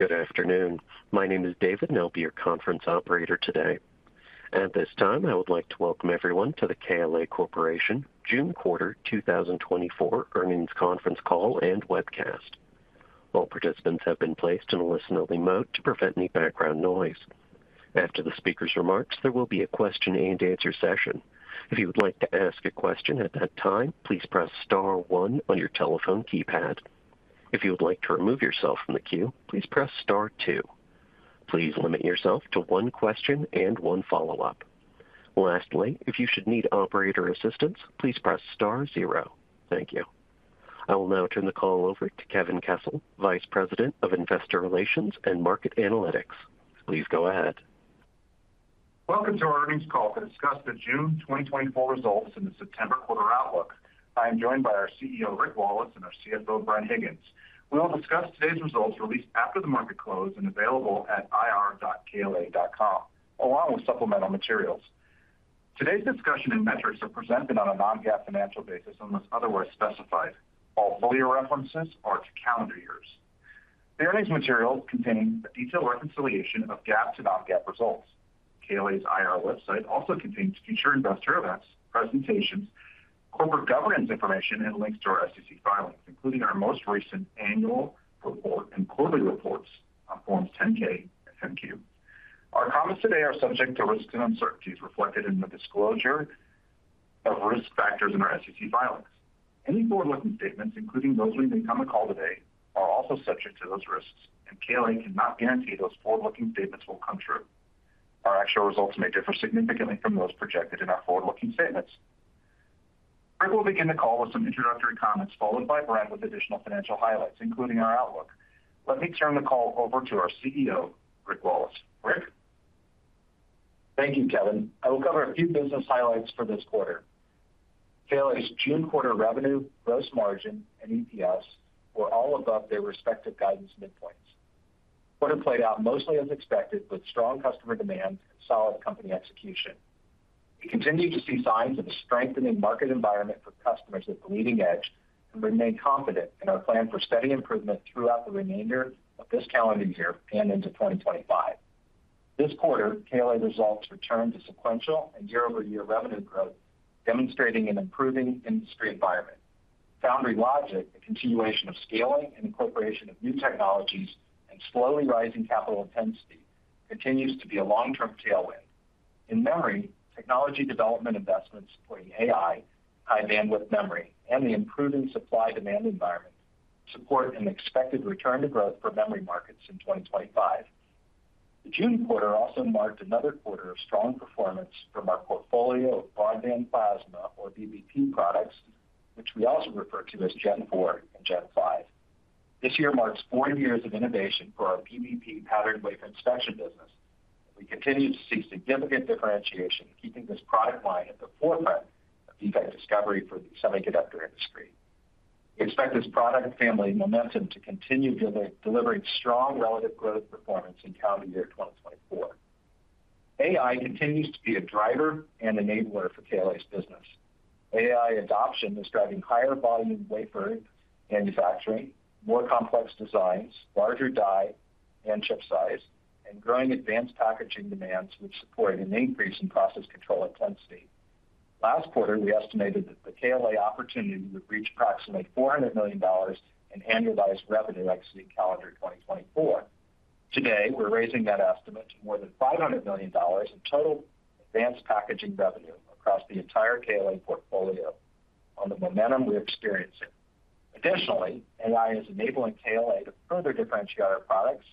Good afternoon. My name is David, and I'll be your conference operator today. At this time, I would like to welcome everyone to the KLA Corporation June quarter 2024 earnings conference call and webcast. All participants have been placed in a listen-only mode to prevent any background noise. After the speaker's remarks, there will be a question-and-answer session. If you would like to ask a question at that time, please press star one on your telephone keypad. If you would like to remove yourself from the queue, please press star two. Please limit yourself to one question and one follow-up. Lastly, if you should need operator assistance, please press star zero. Thank you. I will now turn the call over to Kevin Kessel, Vice President of Investor Relations and Market Analytics. Please go ahead. Welcome to our earnings call to discuss the June 2024 results and the September quarter outlook. I am joined by our CEO, Rick Wallace, and our CFO, Bren Higgins. We will discuss today's results, released after the market close and available at ir.kla.com, along with supplemental materials. Today's discussion and metrics are presented on a non-GAAP financial basis, unless otherwise specified. All full-year references are to calendar years. The earnings material, containing a detailed reconciliation of GAAP to non-GAAP results. KLA's IR website also contains future investor events, presentations, corporate governance information, and links to our SEC filings, including our most recent annual report and quarterly reports on Forms 10-K and 10-Q. Our comments today are subject to risks and uncertainties reflected in the disclosure of risk factors in our SEC filings. Any forward-looking statements, including those made on the call today, are also subject to those risks, and KLA cannot guarantee those forward-looking statements will come true. Our actual results may differ significantly from those projected in our forward-looking statements. I will begin the call with some introductory comments, followed by Bren with additional financial highlights, including our outlook. Let me turn the call over to our CEO, Rick Wallace. Rick? Thank you, Kevin. I will cover a few business highlights for this quarter. KLA's June quarter revenue, gross margin, and EPS were all above their respective guidance midpoints. Quarter played out mostly as expected, with strong customer demand and solid company execution. We continue to see signs of a strengthening market environment for customers at the leading edge and remain confident in our plan for steady improvement throughout the remainder of this calendar year and into 2025. This quarter, KLA results returned to sequential and year-over-year revenue growth, demonstrating an improving industry environment. Foundry logic, the continuation of scaling and incorporation of new technologies, and slowly rising capital intensity continues to be a long-term tailwind. In memory, technology development investments supporting AI, high bandwidth memory, and the improving supply-demand environment support an expected return to growth for memory markets in 2025. The June quarter also marked another quarter of strong performance from our portfolio of Broadband Plasma, or BBP products, which we also refer to as Gen 4 and Gen 5. This year marks 40 years of innovation for our BBP patterned wafer inspection business. We continue to see significant differentiation, keeping this product line at the forefront of defect discovery for the semiconductor industry. We expect this product family momentum to continue delivering strong relative growth performance in calendar year 2024. AI continues to be a driver and enabler for KLA's business. AI adoption is driving higher volume wafer manufacturing, more complex designs, larger die and chip size, and growing advanced packaging demands, which support an increase in process control intensity. Last quarter, we estimated that the KLA opportunity would reach approximately $400 million in annualized revenue exiting calendar 2024. Today, we're raising that estimate to more than $500 million in total advanced packaging revenue across the entire KLA portfolio on the momentum we are experiencing. Additionally, AI is enabling KLA to further differentiate our products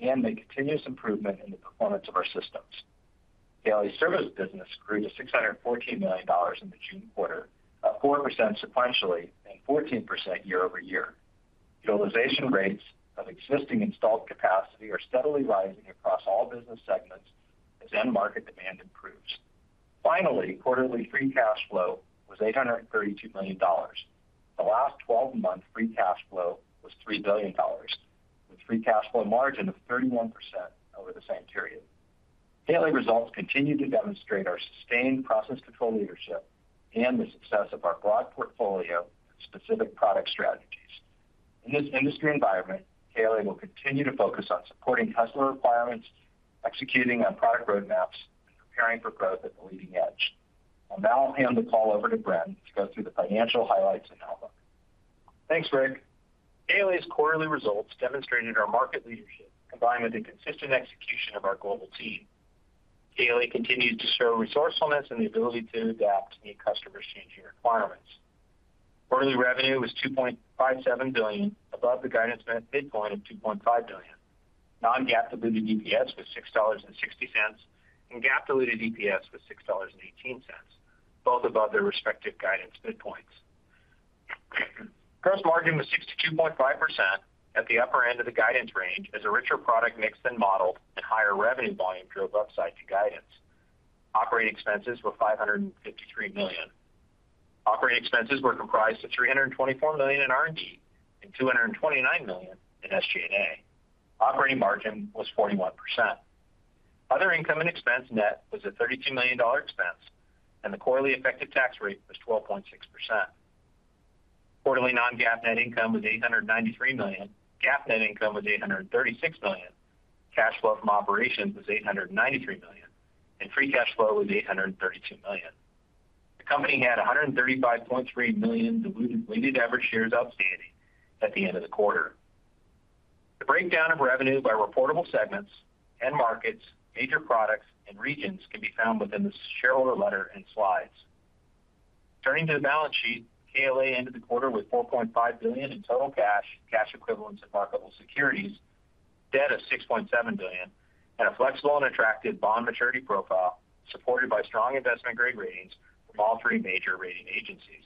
and make continuous improvement in the performance of our systems. KLA's service business grew to $614 million in the June quarter, up 4% sequentially and 14% year-over-year. Utilization rates of existing installed capacity are steadily rising across all business segments as end market demand improves. Finally, quarterly free cash flow was $832 million. The last twelve-month free cash flow was $3 billion, with free cash flow margin of 31% over the same period. KLA results continue to demonstrate our sustained process control leadership and the success of our broad portfolio and specific product strategies. In this industry environment, KLA will continue to focus on supporting customer requirements, executing on product roadmaps, and preparing for growth at the leading edge. I'll now hand the call over to Bren to go through the financial highlights and outlook. Thanks, Rick. KLA's quarterly results demonstrated our market leadership, combined with the consistent execution of our global team. KLA continues to show resourcefulness and the ability to adapt to meet customers' changing requirements. Quarterly revenue was $2.57 billion, above the guidance midpoint of $2.5 billion. Non-GAAP diluted EPS was $6.60, and GAAP diluted EPS was $6.18, both above their respective guidance midpoints. Gross margin was 62.5% at the upper end of the guidance range, as a richer product mix than modeled and higher revenue volume drove upside to guidance. Operating expenses were $553 million. Operating expenses were comprised of $324 million in R&D and $229 million in SG&A. Operating margin was 41%. Other income and expense net was a $32 million dollar expense, and the quarterly effective tax rate was 12.6%. Quarterly non-GAAP net income was $893 million, GAAP net income was $836 million, cash flow from operations was $893 million, and free cash flow was $832 million. The company had 135.3 million diluted weighted average shares outstanding at the end of the quarter. The breakdown of revenue by reportable segments, end markets, major products, and regions can be found within the shareholder letter and slides. Turning to the balance sheet, KLA ended the quarter with $4.5 billion in total cash, cash equivalents, and marketable securities, debt of $6.7 billion, and a flexible and attractive bond maturity profile, supported by strong investment-grade ratings from all three major rating agencies.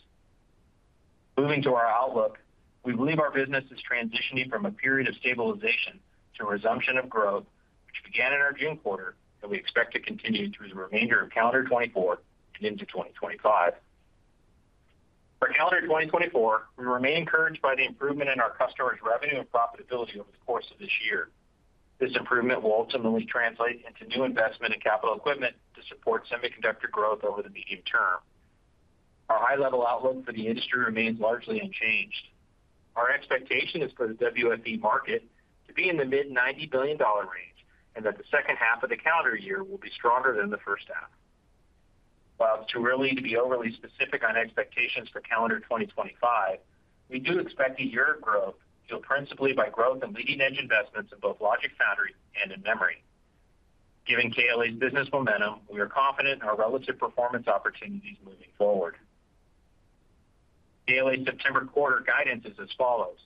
Moving to our outlook, we believe our business is transitioning from a period of stabilization to a resumption of growth, which began in our June quarter, that we expect to continue through the remainder of calendar 2024 and into 2025. For calendar 2024, we remain encouraged by the improvement in our customers' revenue and profitability over the course of this year. This improvement will ultimately translate into new investment in capital equipment to support semiconductor growth over the medium term. Our high-level outlook for the industry remains largely unchanged. Our expectation is for the WFE market to be in the mid-$90 billion range, and that the second half of the calendar year will be stronger than the first half. While to really be overly specific on expectations for calendar 2025, we do expect a year of growth, fueled principally by growth in leading-edge investments in both logic foundry and in memory. Given KLA's business momentum, we are confident in our relative performance opportunities moving forward. KLA's September quarter guidance is as follows: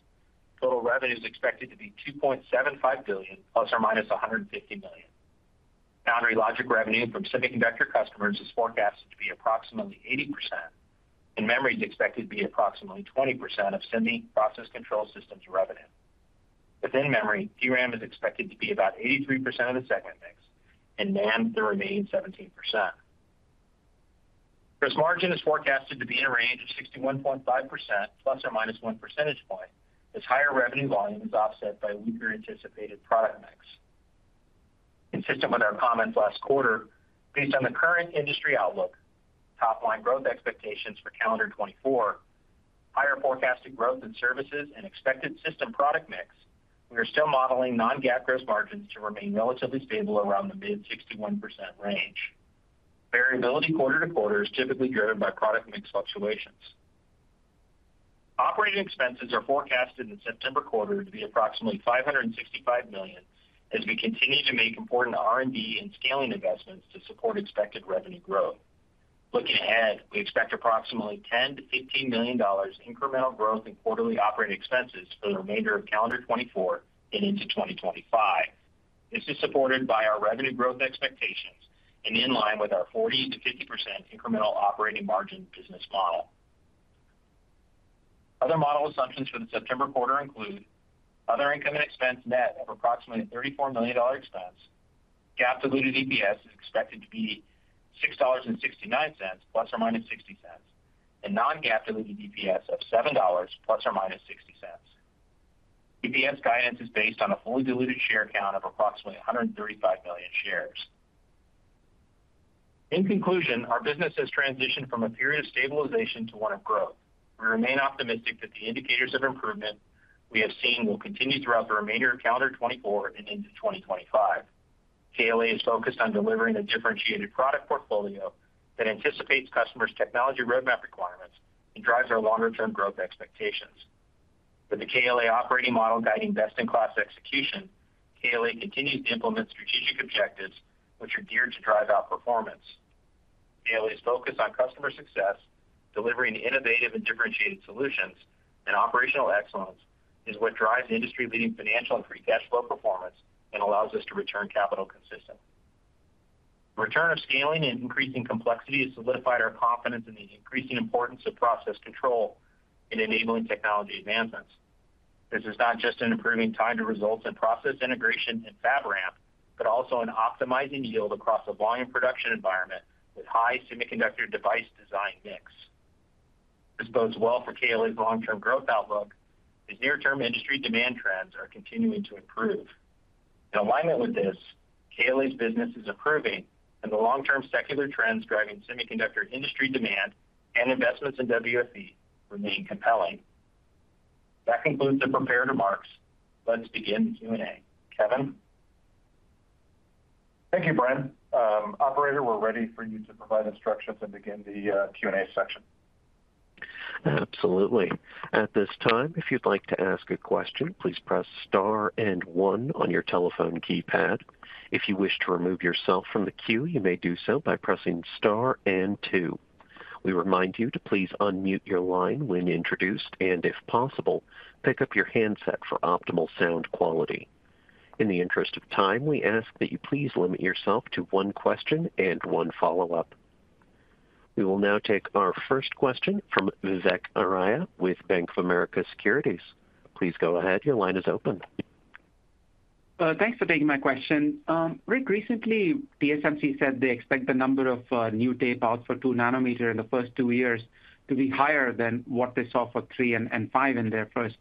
total revenue is expected to be $2.75 billion ±$150 million. Foundry logic revenue from semiconductor customers is forecasted to be approximately 80%, and memory is expected to be approximately 20% of semi-process control systems revenue. Within memory, DRAM is expected to be about 83% of the segment mix, and NAND the remaining 17%. Gross margin is forecasted to be in a range of 61.5% ±1 percentage point, as higher revenue volume is offset by weaker anticipated product mix. Consistent with our comments last quarter, based on the current industry outlook, top-line growth expectations for calendar 2024, higher forecasted growth in services and expected system product mix, we are still modeling non-GAAP gross margins to remain relatively stable around the mid-61% range. Variability quarter-to-quarter is typically driven by product mix fluctuations. Operating expenses are forecasted in the September quarter to be approximately $565 million, as we continue to make important R&D and scaling investments to support expected revenue growth. Looking ahead, we expect approximately $10 million-$15 million incremental growth in quarterly operating expenses for the remainder of calendar 2024 and into 2025. This is supported by our revenue growth expectations and in line with our 40%-50% incremental operating margin business model. Other model assumptions for the September quarter include other income and expense net of approximately $34 million expense. GAAP diluted EPS is expected to be $6.69 ±$0.60, and non-GAAP diluted EPS of $7 ±$0.60. EPS guidance is based on a fully diluted share count of approximately 135 million shares. In conclusion, our business has transitioned from a period of stabilization to one of growth. We remain optimistic that the indicators of improvement we have seen will continue throughout the remainder of calendar 2024 and into 2025. KLA is focused on delivering a differentiated product portfolio that anticipates customers' technology roadmap requirements and drives our longer-term growth expectations. With the KLA operating model guiding best-in-class execution, KLA continues to implement strategic objectives which are geared to drive out performance. KLA's focus on customer success, delivering innovative and differentiated solutions, and operational excellence is what drives industry-leading financial and free cash flow performance and allows us to return capital consistently. Return of scaling and increasing complexity has solidified our confidence in the increasing importance of process control in enabling technology advancements. This is not just in improving time to results and process integration and fab ramp, but also in optimizing yield across a volume production environment with high semiconductor device design mix. This bodes well for KLA's long-term growth outlook, as near-term industry demand trends are continuing to improve. In alignment with this, KLA's business is improving, and the long-term secular trends driving semiconductor industry demand and investments in WFE remain compelling. That concludes the prepared remarks. Let's begin the Q&A. Kevin? Thank you, Bren. Operator, we're ready for you to provide instructions and begin the Q&A section. Absolutely. At this time, if you'd like to ask a question, please press star and one on your telephone keypad. If you wish to remove yourself from the queue, you may do so by pressing star and two. We remind you to please unmute your line when introduced, and if possible, pick up your handset for optimal sound quality. In the interest of time, we ask that you please limit yourself to one question and one follow-up. We will now take our first question from Vivek Arya with Bank of America Securities. Please go ahead. Your line is open. Thanks for taking my question. Very recently, TSMC said they expect the number of new tapeouts for 2 nanometer in the first two years to be higher than what they saw for 3nm and 5nm in their first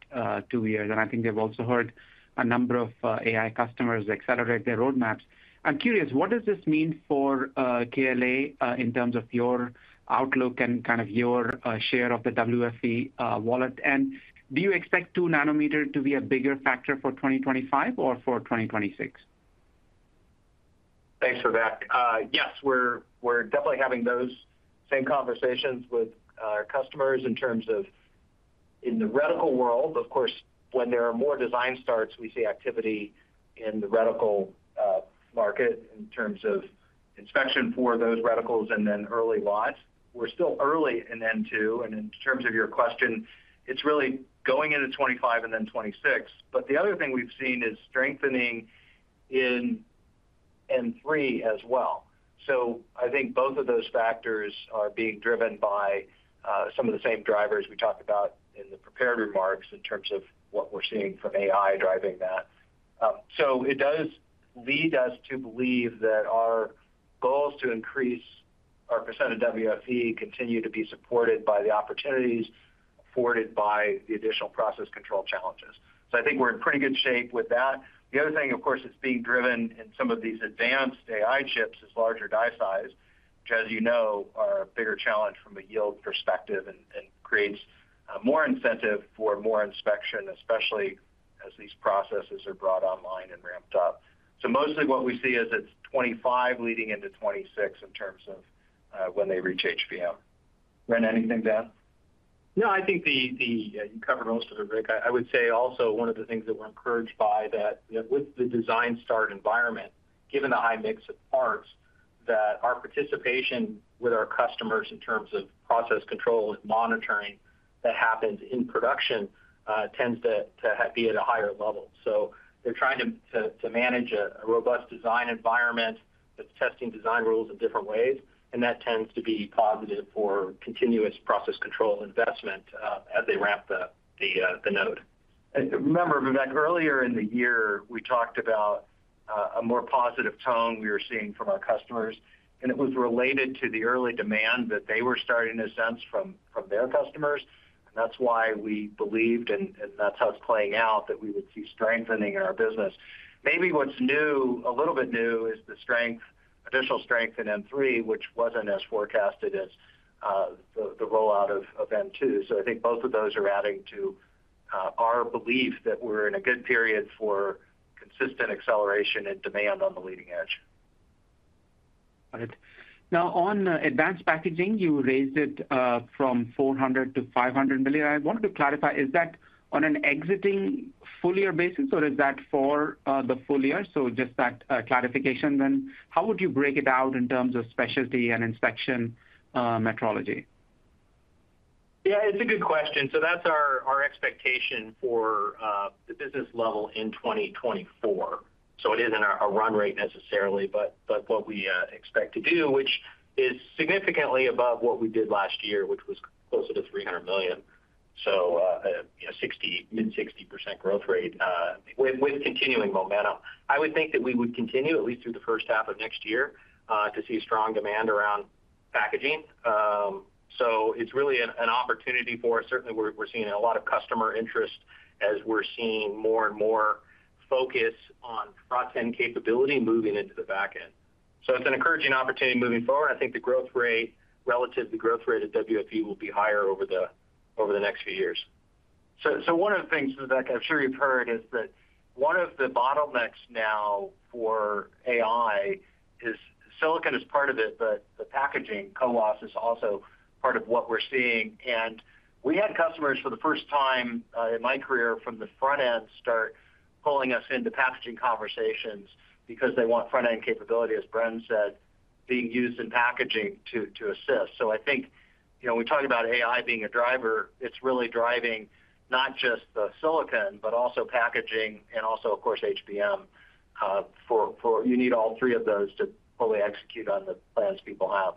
two years. And I think they've also heard a number of AI customers accelerate their roadmaps. I'm curious, what does this mean for KLA in terms of your outlook and kind of your share of the WFE wallet? And do you expect 2 nanometer to be a bigger factor for 2025 or for 2026? Thanks for that. Yes, we're, we're definitely having those same conversations with our customers in terms of in the reticle world. Of course, when there are more design starts, we see activity in the reticle market in terms of inspection for those reticles and then early lots. We're still early in N2, and in terms of your question, it's really going into 2025 and then 2026. But the other thing we've seen is strengthening in N3 as well. So I think both of those factors are being driven by some of the same drivers we talked about in the prepared remarks in terms of what we're seeing from AI driving that. So it does lead us to believe that our goals to increase our % of WFE continue to be supported by the opportunities afforded by the additional process control challenges. So I think we're in pretty good shape with that. The other thing, of course, that's being driven in some of these advanced AI chips is larger die size, which, as you know, are a bigger challenge from a yield perspective and creates more incentive for more inspection, especially as these processes are brought online and ramped up. So mostly what we see is it's 2025 leading into 2026 in terms of when they reach HBM. Bren, anything to add? No, I think the you covered most of it, Rick. I would say also one of the things that we're encouraged by that with the design start environment, given the high mix of parts, that our participation with our customers in terms of process control and monitoring that happens in production tends to be at a higher level. So they're trying to manage a robust design environment that's testing design rules in different ways, and that tends to be positive for continuous process control investment as they ramp the node. And remember, Vivek, earlier in the year, we talked about a more positive tone we were seeing from our customers, and it was related to the early demand that they were starting to sense from their customers. And that's why we believed, and that's how it's playing out, that we would see strengthening in our business. Maybe what's new - a little bit new is the strength, additional strength in N3, which wasn't as forecasted as the rollout of N2. So I think both of those are adding to our belief that we're in a good period for consistent acceleration and demand on the leading edge. Got it. Now, on advanced packaging, you raised it from $400 million-$500 million. I wanted to clarify, is that on an existing full year basis, or is that for the full year? So just that clarification, then how would you break it out in terms of specialty and inspection, metrology? Yeah, it's a good question. So that's our expectation for the business level in 2024. So it isn't a run rate necessarily, but what we expect to do, which is significantly above what we did last year, which was closer to $300 million. So, a mid-60% growth rate, with continuing momentum. I would think that we would continue, at least through the first half of next year, to see strong demand around packaging. So it's really an opportunity for us. Certainly, we're seeing a lot of customer interest as we're seeing more and more focus on front-end capability moving into the back end. So it's an encouraging opportunity moving forward. I think the growth rate relative to the growth rate of WFE will be higher over the next few years. So, one of the things, Vivek, I'm sure you've heard, is that one of the bottlenecks now for AI is silicon is part of it, but the CoWoS is also part of what we're seeing. And we had customers for the first time in my career, from the front end, start pulling us into packaging conversations because they want front-end capability, as Bren said, being used in packaging to assist. So I think, you know, when we talk about AI being a driver, it's really driving not just the silicon, but also packaging and also, of course, HBM for you need all three of those to fully execute on the plans people have.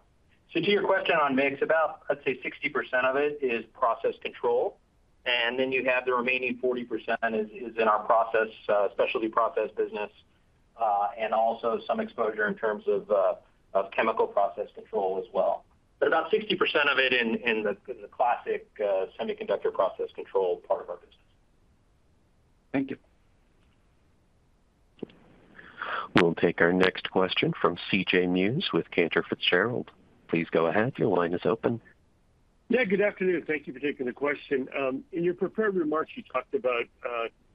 So to your question on mix, about, let's say 60% of it is process control, and then you have the remaining 40% is in our process, specialty process business, and also some exposure in terms of, of chemical process control as well. But about 60% of it in the classic semiconductor process control part of our business. Thank you. We'll take our next question from C.J. Muse with Cantor Fitzgerald. Please go ahead. Your line is open. Yeah, good afternoon. Thank you for taking the question. In your prepared remarks, you talked about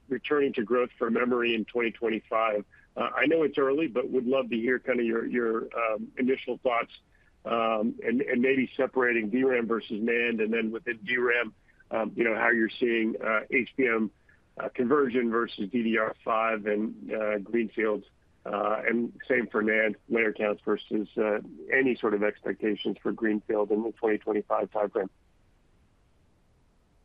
returning to growth for memory in 2025. I know it's early but would love to hear kind of your initial thoughts, and maybe separating DRAM versus NAND, and then within DRAM, you know, how you're seeing HBM conversion versus DDR5 and greenfields, and same for NAND layer counts versus any sort of expectations for greenfield in the 2025 timeframe.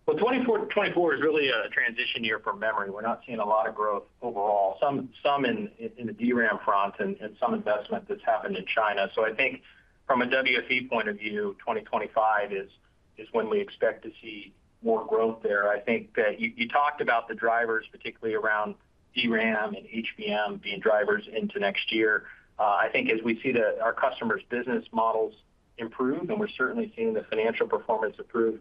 Well, 2024, 2024 is really a transition year for memory. We're not seeing a lot of growth overall. Some in the DRAM front and some investment that's happened in China. So I think from a WFE point of view, 2025 is when we expect to see more growth there. I think that you talked about the drivers, particularly around DRAM and HBM being drivers into next year. I think as we see our customers' business models improve, and we're certainly seeing the financial performance improve,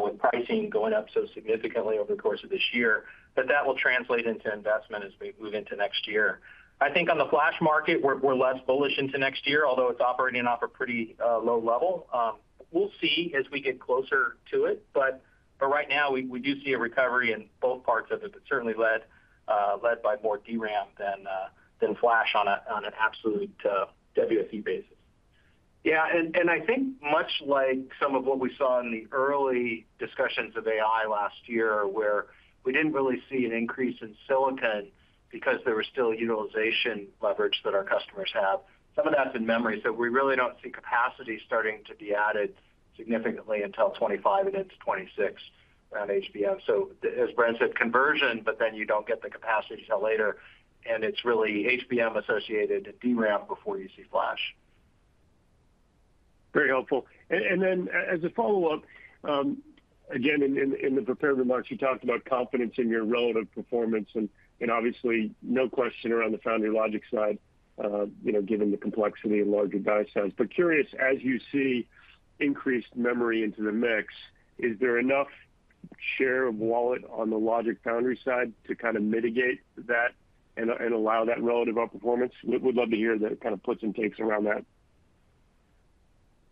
with pricing going up so significantly over the course of this year, that that will translate into investment as we move into next year. I think on the flash market, we're less bullish into next year, although it's operating off a pretty low level. We'll see as we get closer to it, but. But right now, we, we do see a recovery in both parts of it, but certainly led, led by more DRAM than, than flash on a, on an absolute, WFE basis. Yeah, and, and I think much like some of what we saw in the early discussions of AI last year, where we didn't really see an increase in silicon because there was still utilization leverage that our customers have. Some of that's in memory, so we really don't see capacity starting to be added significantly until 2025 and into 2026 around HBM. So as Bren said, conversion, but then you don't get the capacity till later, and it's really HBM-associated DRAM before you see flash. Very helpful. And then as a follow-up, again, in the prepared remarks, you talked about confidence in your relative performance, and obviously, no question around the foundry logic side, you know, given the complexity and larger die sizes. But curious, as you see increased memory into the mix, is there enough share of wallet on the logic foundry side to kind of mitigate that and allow that relative outperformance? We'd love to hear the kind of puts and takes around that.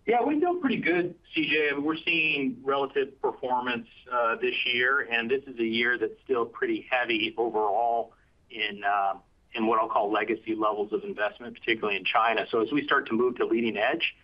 Yeah, we feel pretty good, C.J. I mean, we're seeing relative performance this year, and this is a year that's still pretty heavy overall in what I'll call legacy levels of investment, particularly in China. So as we start to move to leading edge,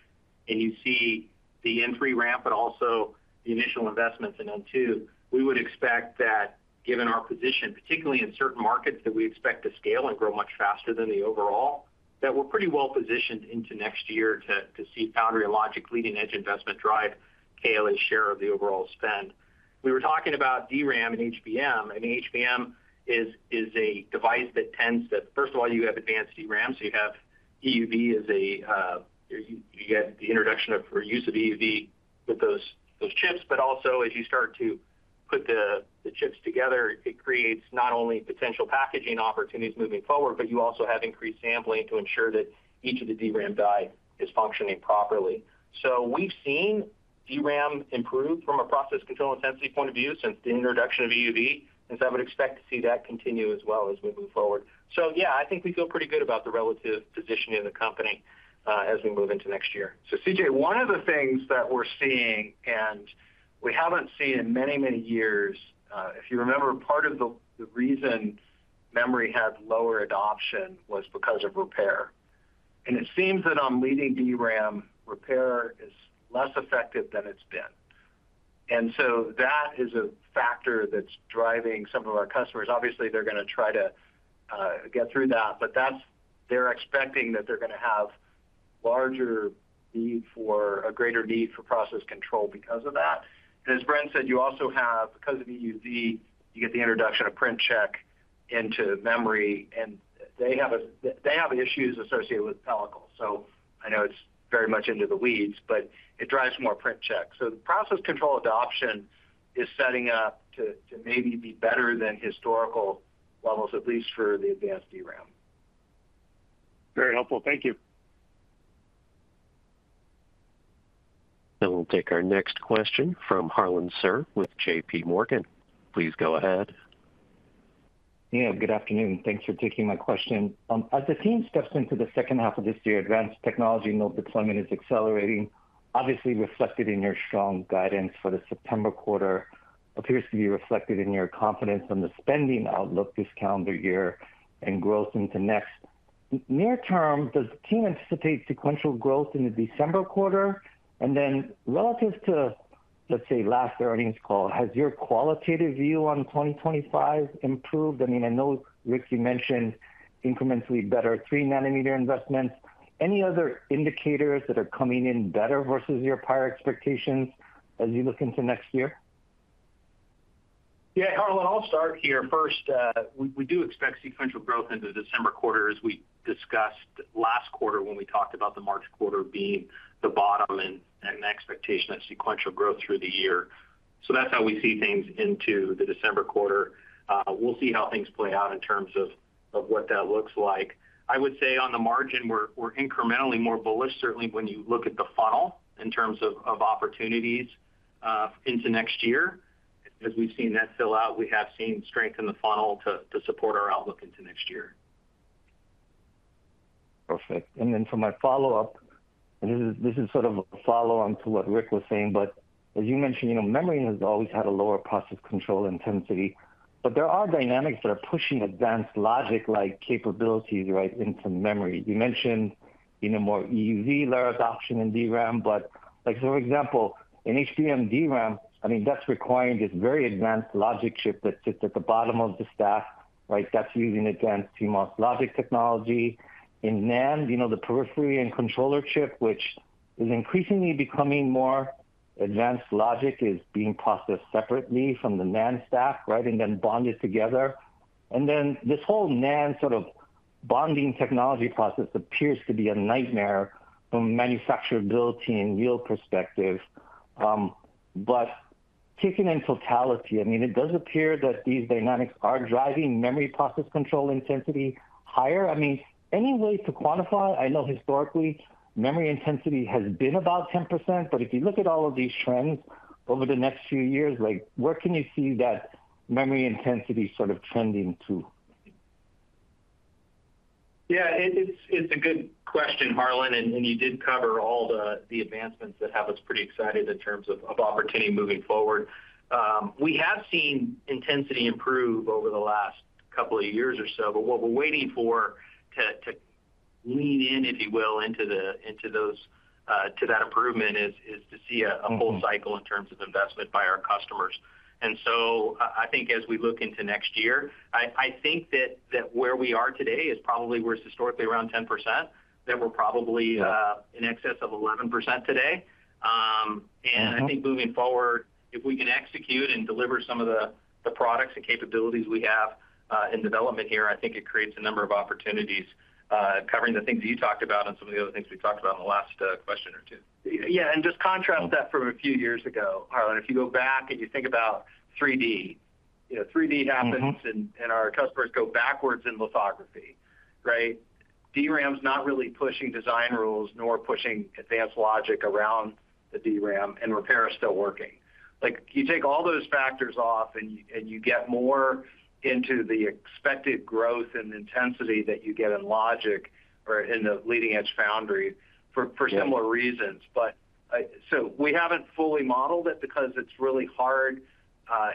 and you see the N3 ramp, but also the initial investments in N2, we would expect that given our position, particularly in certain markets, that we expect to scale and grow much faster than the overall, that we're pretty well positioned into next year to see foundry logic leading edge investment drive KLA's share of the overall spend. We were talking about DRAM and HBM, and HBM is a device that tends to, first of all, you have advanced DRAM, so you have EUV as a, you get the introduction of or use of EUV with those chips. But also, as you start to put the chips together, it creates not only potential packaging opportunities moving forward, but you also have increased sampling to ensure that each of the DRAM die is functioning properly. So we've seen DRAM improve from a process control intensity point of view since the introduction of EUV, and so I would expect to see that continue as well as we move forward. So yeah, I think we feel pretty good about the relative positioning of the company, as we move into next year. So C.J., one of the things that we're seeing, and we haven't seen in many, many years, if you remember, part of the reason memory had lower adoption was because of repair. And it seems that on leading DRAM, repair is less effective than it's been. And so that is a factor that's driving some of our customers. Obviously, they're gonna try to get through that, but that's. They're expecting that they're gonna have larger need for a greater need for process control because of that. And as Bren said, you also have, because of EUV, you get the introduction of print check into memory, and they have they have issues associated with pellicle. So I know it's very much into the weeds, but it drives more print checks. So the process control adoption is setting up to maybe be better than historical levels, at least for the advanced DRAM. Very helpful. Thank you. We'll take our next question from Harlan Sur with J.P. Morgan. Please go ahead. Yeah, good afternoon. Thanks for taking my question. As the team steps into the second half of this year, advanced technology node deployment is accelerating, obviously reflected in your strong guidance for the September quarter. Appears to be reflected in your confidence on the spending outlook this calendar year and growth into next. Near term, does the team anticipate sequential growth in the December quarter? And then relative to, let's say, last earnings call, has your qualitative view on 2025 improved? I mean, I know Rick, you mentioned incrementally better 3 nanometer investments. Any other indicators that are coming in better versus your prior expectations as you look into next year? Yeah, Harlan, I'll start here. First, we do expect sequential growth into the December quarter, as we discussed last quarter when we talked about the March quarter being the bottom and an expectation of sequential growth through the year. So that's how we see things into the December quarter. We'll see how things play out in terms of what that looks like. I would say on the margin, we're incrementally more bullish, certainly when you look at the funnel in terms of opportunities into next year. As we've seen that fill out, we have seen strength in the funnel to support our outlook into next year. Perfect. Then for my follow-up, this is sort of a follow-on to what Rick was saying, but as you mentioned, you know, memory has always had a lower process control intensity, but there are dynamics that are pushing advanced logic-like capabilities right into memory. You mentioned, you know, more EUV layer adoption in DRAM, but like, for example, in HBM DRAM, I mean, that's requiring this very advanced logic chip that sits at the bottom of the stack, right? That's using advanced CMOS logic technology. In NAND, you know, the periphery and controller chip, which is increasingly becoming more advanced logic, is being processed separately from the NAND stack, right? And then bonded together. And then this whole NAND sort of bonding technology process appears to be a nightmare from a manufacturability and yield perspective. But taken in totality, I mean, it does appear that these dynamics are driving memory process control intensity higher. I mean, any way to quantify? I know historically, memory intensity has been about 10%, but if you look at all of these trends over the next few years, like, where can you see that memory intensity sort of trending to? Yeah, it's a good question, Harlan, and you did cover all the advancements that have us pretty excited in terms of opportunity moving forward. We have seen intensity improve over the last couple of years or so, but what we're waiting for to lean in, if you will, into those to that improvement is to see a full cycle in terms of investment by our customers. And so I think as we look into next year, I think that where we are today is probably where it's historically around 10%, that we're probably in excess of 11% today. And I think moving forward, if we can execute and deliver some of the products and capabilities we have in development here, I think it creates a number of opportunities, covering the things you talked about and some of the other things we talked about in the last question or two. Yeah, and just contrast that from a few years ago, Harlan, if you go back and you think about 3D. You know, 3D happens. Mm-hmm. And our customers go backwards in lithography, right? DRAM's not really pushing design rules, nor pushing advanced logic around the DRAM, and repair is still working. Like, you take all those factors off and you get more into the expected growth and intensity that you get in logic or in the leading-edge foundry for similar reasons. But, so we haven't fully modeled it because it's really hard.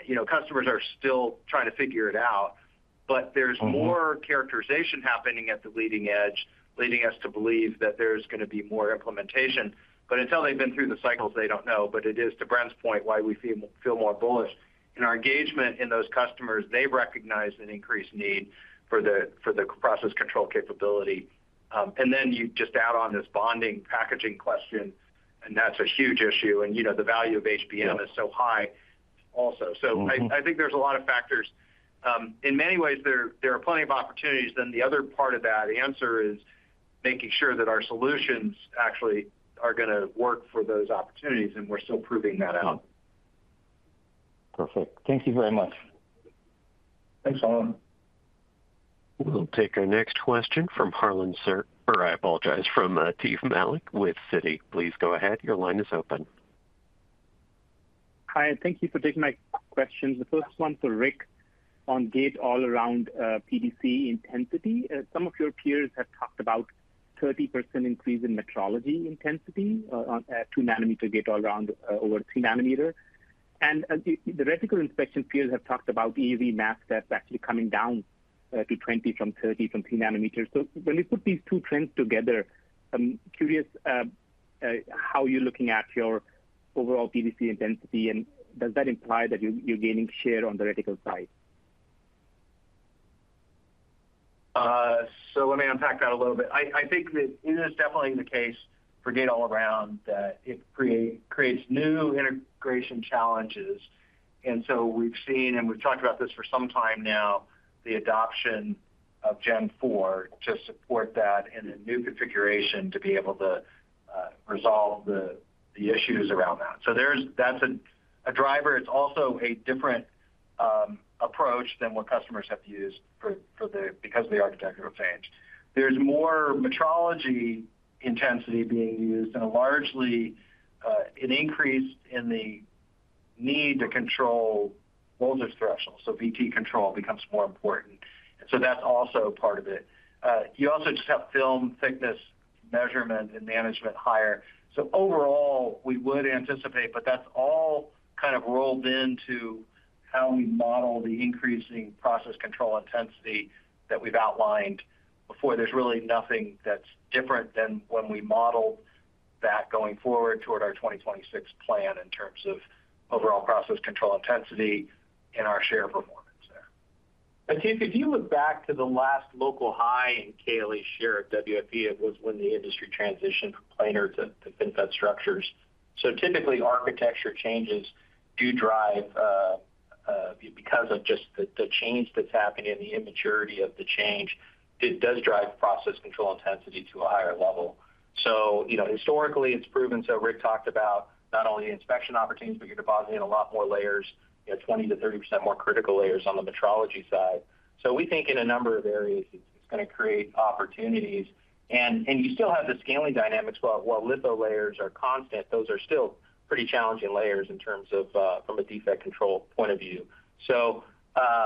You know, customers are still trying to figure it out, but there's more characterization happening at the leading edge, leading us to believe that there's going to be more implementation. But until they've been through the cycles, they don't know. But it is, to Bren's point, why we feel, feel more bullish. In our engagement in those customers, they've recognized an increased need for the, for the process control capability. And then you just add on this bonding packaging question, and that's a huge issue. And, you know, the value of HBM is so high also. So I, I think there's a lot of factors. In many ways, there, there are plenty of opportunities. The other part of that answer is making sure that our solutions actually are going to work for those opportunities, and we're still proving that out. Perfect. Thank you very much. Thanks, Harlan. We'll take our next question from Harlan Sur—or I apologize, from Atif Malik with Citi. Please go ahead. Your line is open. Hi, and thank you for taking my questions. The first one to Rick on gate-all-around PDC intensity. Some of your peers have talked about 30% increase in metrology intensity on 2 nanometer gate-all-around over 3 nanometer. And the reticle inspection peers have talked about EUV mask that's actually coming down to 20% from 30% from 3 nanometer. So, when we put these two trends together, I'm curious how you're looking at your overall PDC intensity, and does that imply that you're gaining share on the reticle side? So let me unpack that a little bit. I, I think that it is definitely the case for gate-all-around, that it creates new integration challenges. And so we've seen, and we've talked about this for some time now, the adoption of Gen 4 to support that in a new configuration to be able to resolve the issues around that. So that's a driver. It's also a different approach than what customers have to use for the- because the architecture has changed. There's more metrology intensity being used and largely an increase in the need to control voltage thresholds, so VT control becomes more important. And so that's also part of it. You also just have film thickness, measurement, and management higher. So overall, we would anticipate, but that's all kind of rolled into how we model the increasing process control intensity that we've outlined before. There's really nothing that's different than when we modeled that going forward toward our 2026 plan in terms of overall process control intensity and our share performance there. Atif, if you look back to the last local high in KLA share at WFE, it was when the industry transitioned from planar to FinFET structures. So typically, architecture changes do drive, because of just the change that's happening and the immaturity of the change, it does drive process control intensity to a higher level. So you know, historically, it's proven. So Rick talked about not only the inspection opportunities, but you're depositing a lot more layers, you know, 20%-30% more critical layers on the metrology side. So we think in a number of areas, it's going to create opportunities. And you still have the scaling dynamics, while litho layers are constant, those are still pretty challenging layers in terms of from a defect control point of view. So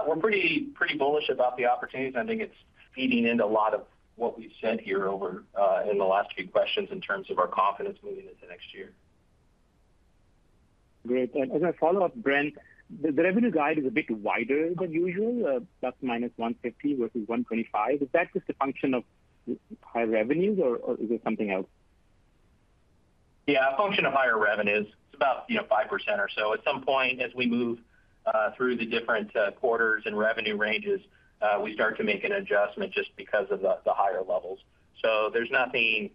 we're pretty bullish about the opportunities, and I think it's feeding into a lot of what we've said here over in the last few questions in terms of our confidence moving into next year. Great. And as a follow-up, Bren, the revenue guide is a bit wider than usual, ±$150 versus $125. Is that just a function of high revenues or is it something else? Yeah, a function of higher revenues. It's about, you know, 5% or so. At some point, as we move through the different quarters and revenue ranges, we start to make an adjustment just because of the higher levels. So there's nothing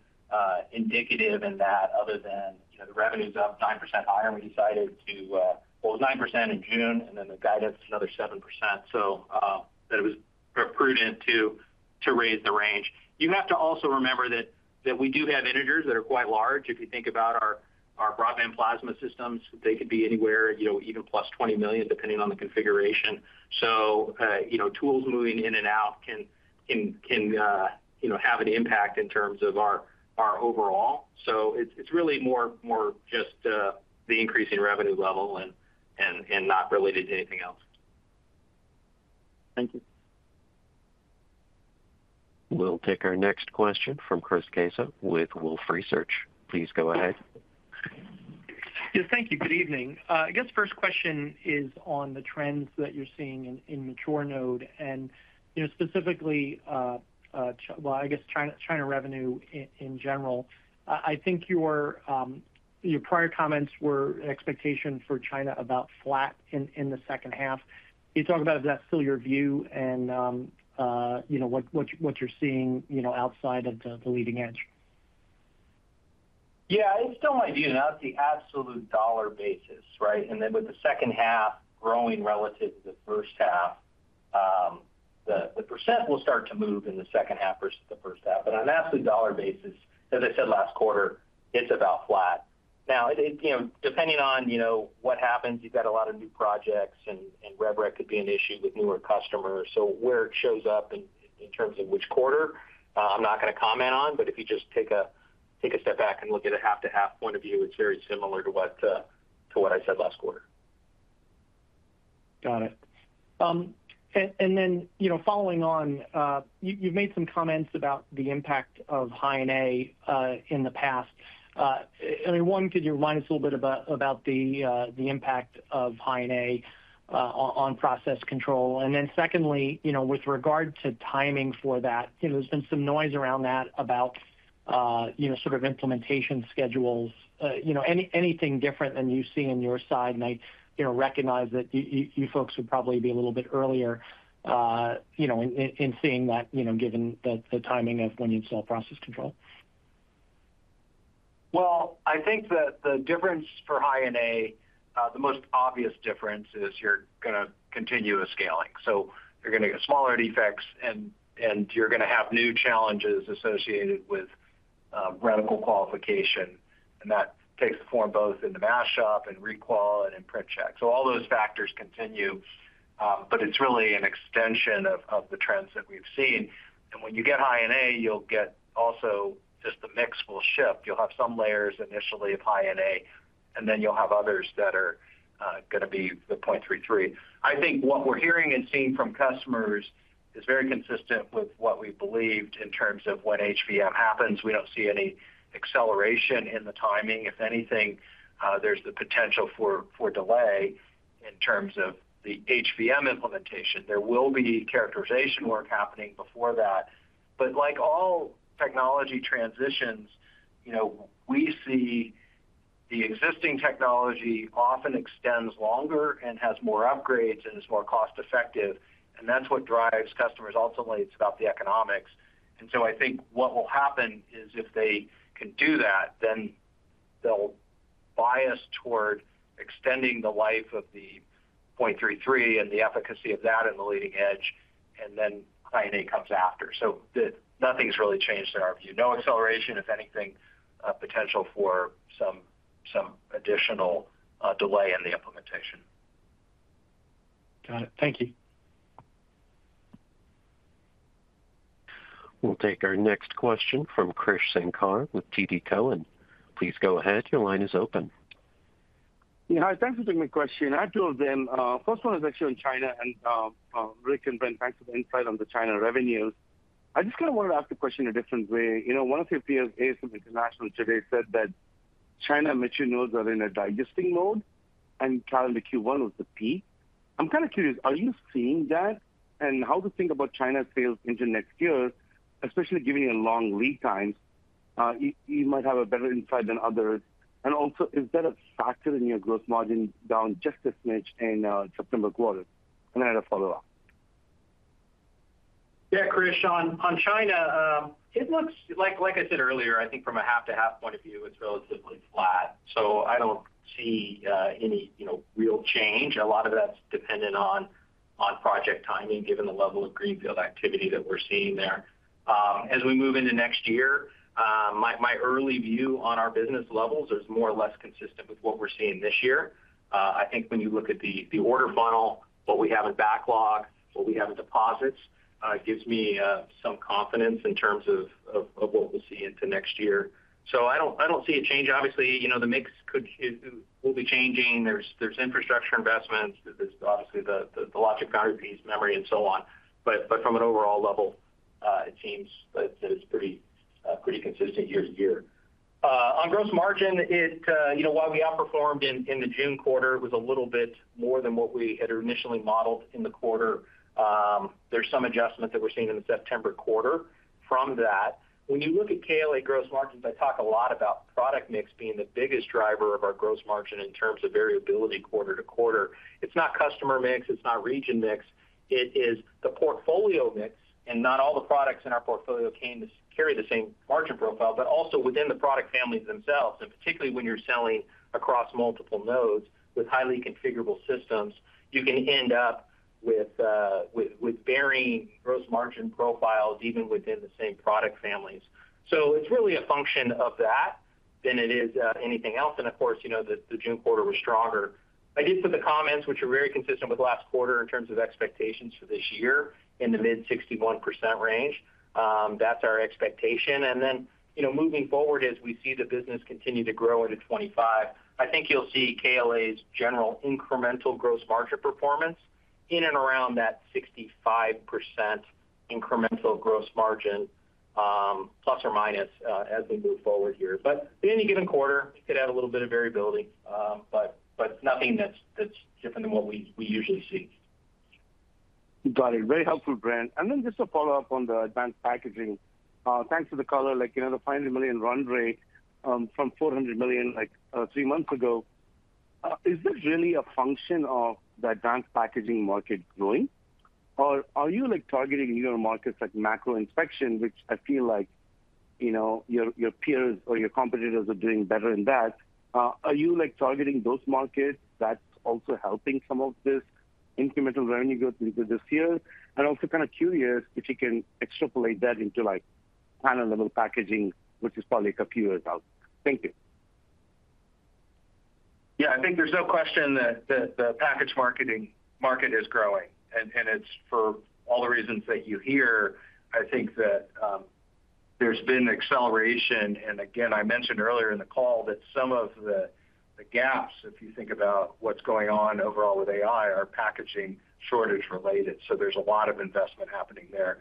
indicative in that other than, you know, the revenue's up 9% higher, and we decided to. Well, it was 9% in June, and then the guidance is another 7%, so that it was prudent to raise the range. You have to also remember that we do have invoices that are quite large. If you think about our Broadband Plasma systems, they could be anywhere, you know, even plus $20 million, depending on the configuration. So, you know, tools moving in and out can, you know, have an impact in terms of our overall. So it's really more just the increase in revenue level and not related to anything else. Thank you. We'll take our next question from Chris Caso with Wolfe Research. Please go ahead. Yes, thank you. Good evening. I guess first question is on the trends that you're seeing in mature node and, you know, specifically, well, I guess, China, China revenue in general. I think your prior comments were an expectation for China about flat in the second half. Can you talk about if that's still your view, and, you know, what you're seeing, you know, outside of the leading edge? Yeah, it's still my view, and that's the absolute dollar basis, right? And then with the second half growing relative to the first half, the percent will start to move in the second half versus the first half. But on an absolute dollar basis, as I said last quarter, it's about flat. Now, it you know, depending on, you know, what happens, you've got a lot of new projects and rev rec could be an issue with newer customers. So where it shows up in terms of which quarter, I'm not gonna comment on, but if you just take a step back and look at a half to half point of view, it's very similar to what to what I said last quarter. Got it. And then, you know, following on, you've made some comments about the impact of high-NA in the past. I mean, one, could you remind us a little bit about the impact of high-NA on process control? And then secondly, you know, with regard to timing for that, you know, there's been some noise around that about, you know, sort of implementation schedules. You know, anything different than you see on your side, and I, you know, recognize that you folks would probably be a little bit earlier, you know, in seeing that, you know, given the timing of when you'd sell process control. Well, I think that the difference for high NA, the most obvious difference is you're gonna continue with scaling. So you're gonna get smaller defects, and you're gonna have new challenges associated with reticle qualification, and that takes the form both in the mask shop and re-qual and in print check. So all those factors continue, but it's really an extension of the trends that we've seen. And when you get high NA, you'll get also, just the mix will shift. You'll have some layers initially of high NA, and then you'll have others that are gonna be the 0.33. I think what we're hearing and seeing from customers is very consistent with what we believed in terms of when HVM happens. We don't see any acceleration in the timing. If anything, there's the potential for, for delay in terms of the HVM implementation. There will be characterization work happening before that. But like all technology transitions, you know, we see the existing technology often extends longer and has more upgrades and is more cost effective, and that's what drives customers. Ultimately, it's about the economics. And so I think what will happen is if they can do that, then they'll bias toward extending the life of the 0.33, and the efficacy of that in the leading edge, and then high NA comes after. So nothing's really changed in our view. No acceleration, if anything, potential for some, some additional delay in the implementation. Got it. Thank you. We'll take our next question from Krish Sankar with TD Cowen. Please go ahead. Your line is open. Yeah, hi. Thanks for taking my question. I have two of them. First one is actually on China, and Rick and Bren, thanks for the insight on the China revenues. I just kind of wanted to ask the question a different way. You know, one of your peers, ASM International, today said that China mature nodes are in a digesting mode and currently Q1 was the peak. I'm kind of curious, are you seeing that? And how to think about China's sales into next year, especially giving you long lead times, you might have a better insight than others. And also, is that a factor in your gross margin down just a smidge in September quarter? And then I have a follow-up. Yeah, Krish, on China, it looks like, like I said earlier, I think from a half to half point of view, it's relatively flat. So I don't see any, you know, real change. A lot of that's dependent on project timing, given the level of greenfield activity that we're seeing there. As we move into next year, my early view on our business levels is more or less consistent with what we're seeing this year. I think when you look at the order funnel, what we have in backlog, what we have in deposits, gives me some confidence in terms of what we'll see into next year. So I don't see a change. Obviously, you know, the mix could, is- will be changing. There's infrastructure investments. There's obviously the logic boundaries, memory, and so on. But from an overall level, it seems that it's pretty consistent year to year. On gross margin, you know, while we outperformed in the June quarter, it was a little bit more than what we had initially modeled in the quarter. There's some adjustment that we're seeing in the September quarter from that. When you look at KLA gross margins, I talk a lot about product mix being the biggest driver of our gross margin in terms of variability quarter to quarter. It's not customer mix, it's not region mix, it is the portfolio mix, and not all the products in our portfolio came to carry the same margin profile, but also within the product families themselves, and particularly when you're selling across multiple nodes with highly configurable systems, you can end up with, with, with varying gross margin profiles, even within the same product families. So it's really a function of that than it is, anything else. And of course, you know, the, the June quarter was stronger. I did put the comments, which are very consistent with last quarter, in terms of expectations for this year, in the mid-61% range. That's our expectation. Then, you know, moving forward, as we see the business continue to grow into 2025, I think you'll see KLA's general incremental gross margin performance in and around that 65% incremental gross margin, plus or minus, as we move forward here. But in any given quarter, it could add a little bit of variability. But nothing that's different than what we usually see. Got it. Very helpful, Bren. And then just a follow-up on the advanced packaging. Thanks for the color. Like, you know, the $5 million run rate from $400 million, like, three months ago, is this really a function of the advanced packaging market growing? Or are you, like, targeting newer markets like macro inspection, which I feel like, you know, your, your peers or your competitors are doing better in that. Are you, like, targeting those markets that's also helping some of this incremental revenue growth this year? And also kind of curious if you can extrapolate that into, like, panel-level packaging, which is probably like a few years out. Thank you. Yeah, I think there's no question that the packaging market is growing, and it's for all the reasons that you hear. I think that there's been acceleration, and again, I mentioned earlier in the call that some of the gaps, if you think about what's going on overall with AI, are packaging shortage related. So there's a lot of investment happening there.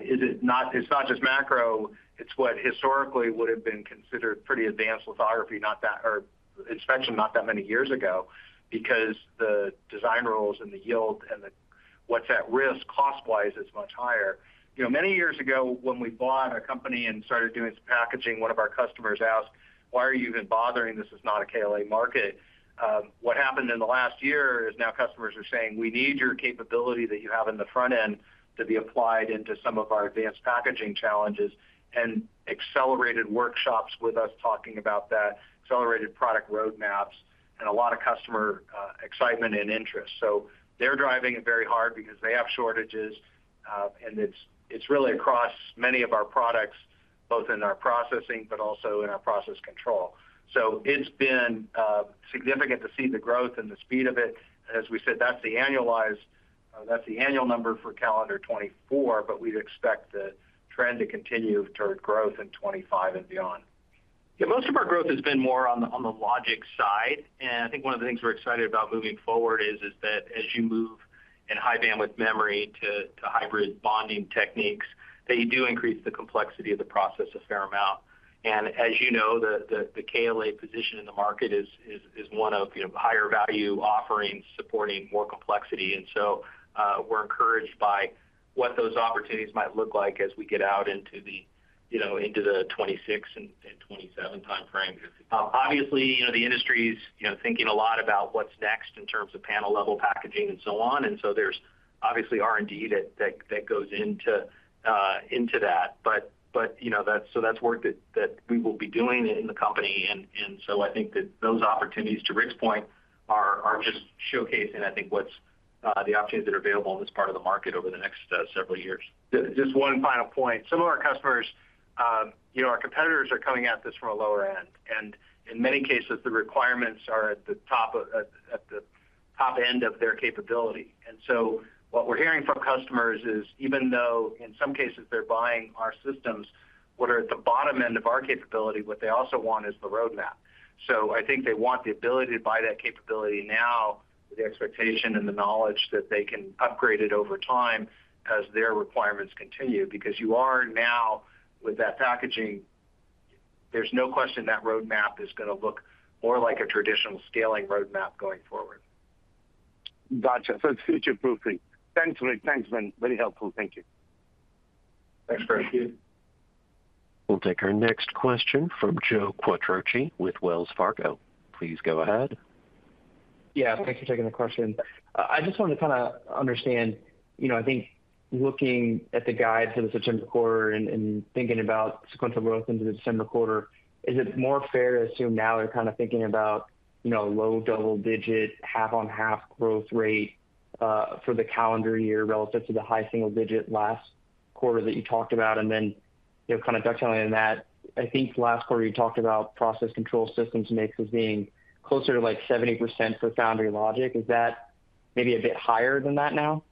It is not—it's not just macro, it's what historically would have been considered pretty advanced lithography, not that—or inspection, not that many years ago, because the design rules and the yield and the what's at risk cost-wise is much higher. You know, many years ago, when we bought a company and started doing some packaging, one of our customers asked: "Why are you even bothering? This is not a KLA market." What happened in the last year is now customers are saying: "We need your capability that you have in the front end to be applied into some of our advanced packaging challenges," and accelerated workshops with us, talking about that, accelerated product roadmaps, and a lot of customer excitement and interest. So they're driving it very hard because they have shortages, and it's, it's really across many of our products, both in our processing but also in our process control. So it's been significant to see the growth and the speed of it. As we said, that's the annualized, that's the annual number for calendar 2024, but we'd expect the trend to continue toward growth in 2025 and beyond. Yeah, most of our growth has been more on the logic side, and I think one of the things we're excited about moving forward is that as you move in high-bandwidth memory to hybrid bonding techniques, that you do increase the complexity of the process a fair amount. And as you know, the KLA position in the market is one of, you know, higher value offerings supporting more complexity. And so, we're encouraged by what those opportunities might look like as we get out into the, you know, into the 2026 and 2027 time frame. Obviously, you know, the industry's, you know, thinking a lot about what's next in terms of panel-level packaging and so on, and so there's obviously R&D that goes into that. But, you know, that's so that's work that we will be doing in the company, and so I think that those opportunities, to Rick's point, are just showcasing, I think, what's the opportunities that are available in this part of the market over the next several years. Just one final point. Some of our customers, you know, our competitors are coming at this from a lower end, and in many cases, the requirements are at the top of the top end of their capability. And so what we're hearing from customers is, even though in some cases they're buying our systems, what are at the bottom end of our capability, what they also want is the roadmap. So I think they want the ability to buy that capability now, with the expectation and the knowledge that they can upgrade it over time as their requirements continue. Because you are now, with that packaging, there's no question that roadmap is going to look more like a traditional scaling roadmap going forward. Gotcha. So it's future-proofing. Thanks, Rick. Thanks, Bren. Very helpful. Thank you. Thanks, Krish. Thank you. We'll take our next question from Joe Quatrochi with Wells Fargo. Please go ahead. Yeah, thanks for taking the question. I just wanted to kind of understand, you know, I think looking at the guide for the September quarter and thinking about sequential growth into the December quarter, is it more fair to assume now you're kind of thinking about, you know, low double-digit, half-on-half growth rate for the calendar year relative to the high single-digit last quarter that you talked about? And then, you know, kind of dovetailing on that, I think last quarter you talked about process control systems mix as being closer to, like, 70% for foundry logic. Is that maybe a bit higher than that now?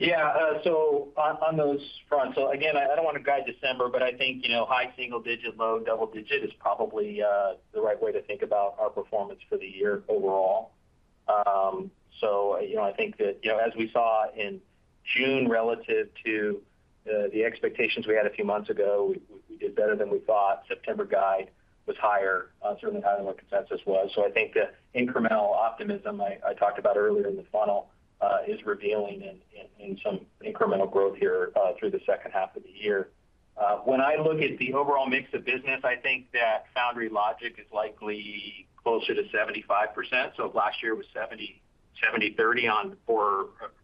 Yeah, so on those fronts. So again, I don't want to guide December, but I think, you know, high single digit, low double digit is probably the right way to think about our performance for the year overall. So, you know, I think that, you know, as we saw in June relative to the expectations we had a few months ago, we did better than we thought. September guide was higher, certainly higher than what consensus was. So I think the incremental optimism I talked about earlier in the funnel is revealing in some incremental growth here through the second half of the year. When I look at the overall mix of business, I think that foundry logic is likely closer to 75%. So last year was 70-30 on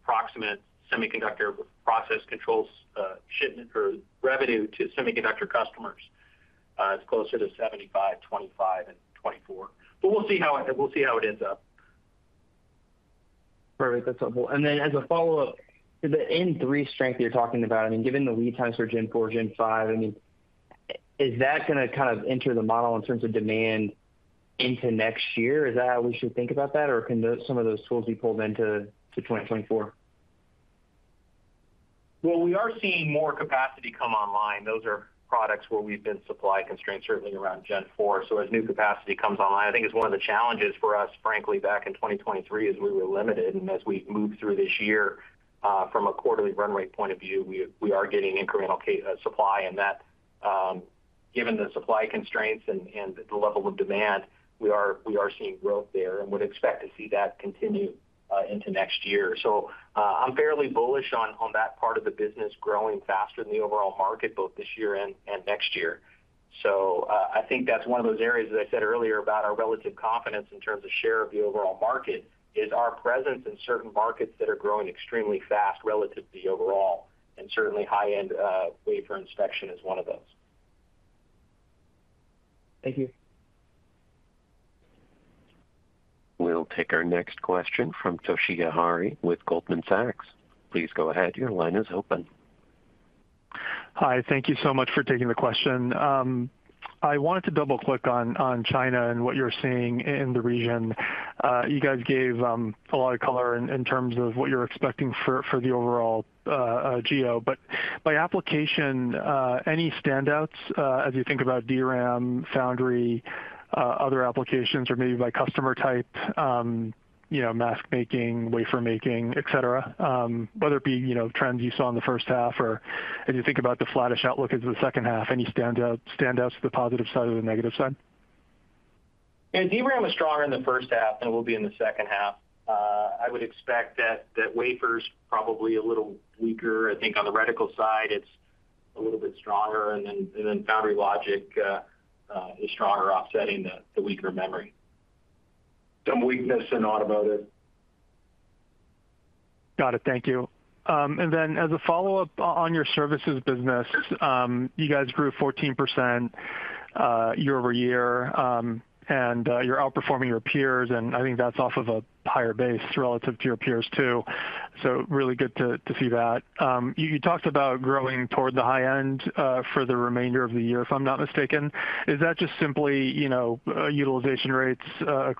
approximate semiconductor process controls, shipment or revenue to semiconductor customers. It's closer to 75-25, and 2024. But we'll see how it, we'll see how it ends up. Perfect. That's helpful. And then as a follow-up, the N3 strength you're talking about, I mean, given the lead times for Gen 4, Gen 5, I mean, is that going to kind of enter the model in terms of demand into next year? Is that how we should think about that, or can those, some of those tools be pulled into, to 2024? Well, we are seeing more capacity come online. Those are products where we've been supply constrained, certainly around Gen 4. So as new capacity comes online, I think it's one of the challenges for us, frankly, back in 2023, is we were limited. And as we've moved through this year, from a quarterly run rate point of view, we are getting incremental capacity, supply, and that, given the supply constraints and the level of demand, we are seeing growth there and would expect to see that continue into next year. So, I'm fairly bullish on that part of the business growing faster than the overall market, both this year and next year. So, I think that's one of those areas, as I said earlier, about our relative confidence in terms of share of the overall market, is our presence in certain markets that are growing extremely fast relative to the overall, and certainly high-end wafer inspection is one of those. Thank you. We'll take our next question from Toshiya Hari with Goldman Sachs. Please go ahead. Your line is open. Hi, thank you so much for taking the question. I wanted to double-click on China and what you're seeing in the region. You guys gave a lot of color in terms of what you're expecting for the overall geo. But by application, any standouts as you think about DRAM, foundry, other applications, or maybe by customer type, you know, mask making, wafer making, et cetera? Whether it be, you know, trends you saw in the first half, or as you think about the flattish outlook into the second half, any standouts, standouts to the positive side or the negative side? Yeah, DRAM was stronger in the first half than it will be in the second half. I would expect that wafer's probably a little weaker. I think on the reticle side, it's a little bit stronger, and then foundry logic is stronger, offsetting the weaker memory. Some weakness and not about it. Got it. Thank you. And then as a follow-up on your services business, you guys grew 14%, year-over-year, and you're outperforming your peers, and I think that's off of a higher base relative to your peers, too. So really good to see that. You talked about growing toward the high end, for the remainder of the year, if I'm not mistaken. Is that just simply, you know, utilization rates,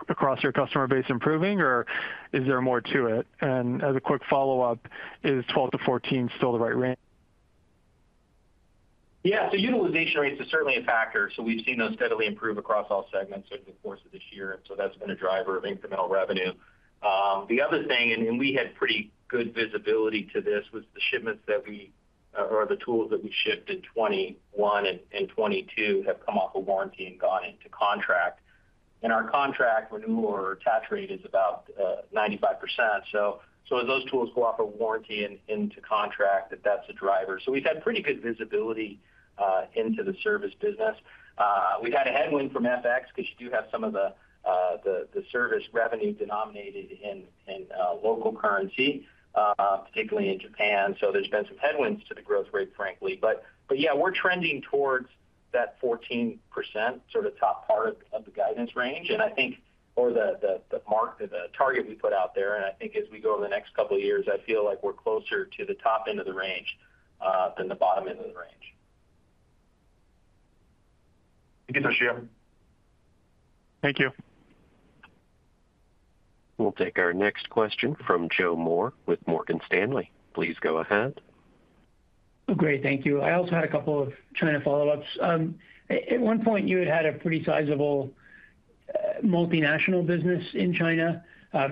across your customer base improving, or is there more to it? And as a quick follow-up, is 12%-14% still the right range? Yeah. So utilization rate is certainly a factor, so we've seen those steadily improve across all segments over the course of this year, and so that's been a driver of incremental revenue. The other thing, and we had pretty good visibility to this, was the shipments that we or the tools that we shipped in 2021 and 2022 have come off of warranty and gone into contract. And our contract renewal or attach rate is about 95%. So as those tools go off of warranty and into contract, that's a driver. So we've had pretty good visibility into the service business. We got a headwind from FX, because you do have some of the service revenue denominated in local currency, particularly in Japan. So there's been some headwinds to the growth rate, frankly. But yeah, we're trending towards that 14%, sort of top part of the guidance range, and I think the mark, the target we put out there, and I think as we go over the next couple of years, I feel like we're closer to the top end of the range than the bottom end of the range. Thank you, Toshiya. Thank you. We'll take our next question from Joe Moore with Morgan Stanley. Please go ahead. Great. Thank you. I also had a couple of China follow-ups. At one point, you had had a pretty sizable multinational business in China.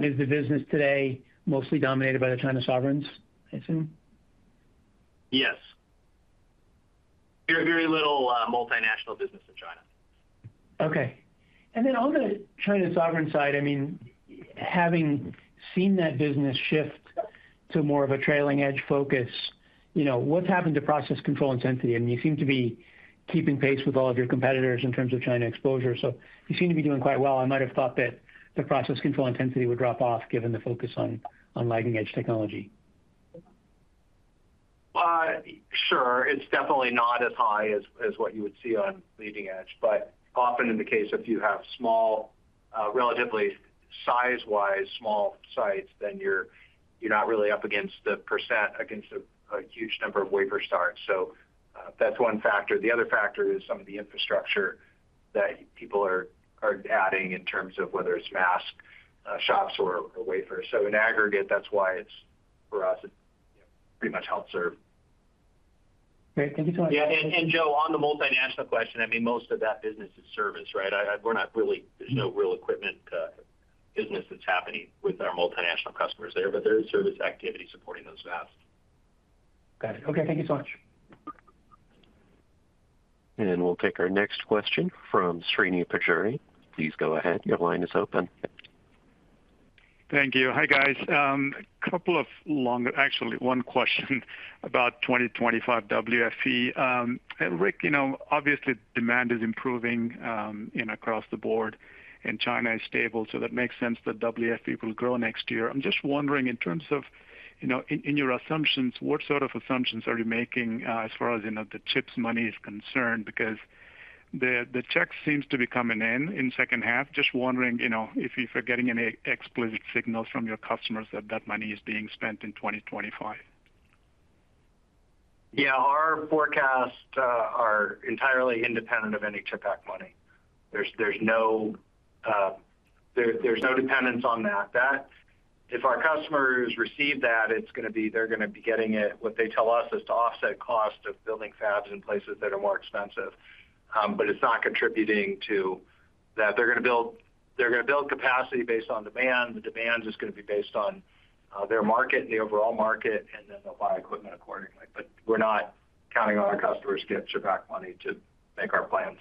Is the business today mostly dominated by the China sovereigns, I assume? Yes. Very, very little multinational business in China. Okay. And then on the China sovereign side, I mean, having seen that business shift to more of a trailing edge focus, you know, what's happened to process control intensity? I mean, you seem to be keeping pace with all of your competitors in terms of China exposure, so you seem to be doing quite well. I might have thought that the process control intensity would drop off, given the focus on leading-edge technology. Sure. It's definitely not as high as what you would see on leading edge, but often in the case, if you have small, relatively size-wise, small sites, then you're not really up against a huge number of wafer starts. So, that's one factor. The other factor is some of the infrastructure that people are adding in terms of whether it's mask shops or wafers. So in aggregate, that's why it's. for us, it pretty much helps serve. Great. Thank you so much. Yeah, Joe, on the multinational question, I mean, most of that business is service, right? We're not really- Mm-hmm. There's no real equipment business that's happening with our multinational customers there, but there is service activity supporting those fabs. Got it. Okay, thank you so much. We'll take our next question from Srini Pajjuri. Please go ahead. Your line is open. Thank you. Hi, guys. Actually, one question about 2025 WFE. Rick, you know, obviously demand is improving, you know, across the board, and China is stable, so that makes sense that WFE will grow next year. I'm just wondering, in terms of, you know, in your assumptions, what sort of assumptions are you making, as far as, you know, the CHIPS money is concerned? Because the check seems to be coming in in the second half. Just wondering, you know, if you are getting any explicit signals from your customers that that money is being spent in 2025. Yeah. Our forecasts are entirely independent of any CHIPS Act money. There's no dependence on that. If our customers receive that, it's gonna be they're gonna be getting it, what they tell us, is to offset cost of building fabs in places that are more expensive. But it's not contributing to that they're gonna build, they're gonna build capacity based on demand. The demand is gonna be based on their market and the overall market, and then they'll buy equipment accordingly. But we're not counting on our customers to get their back money to make our plans.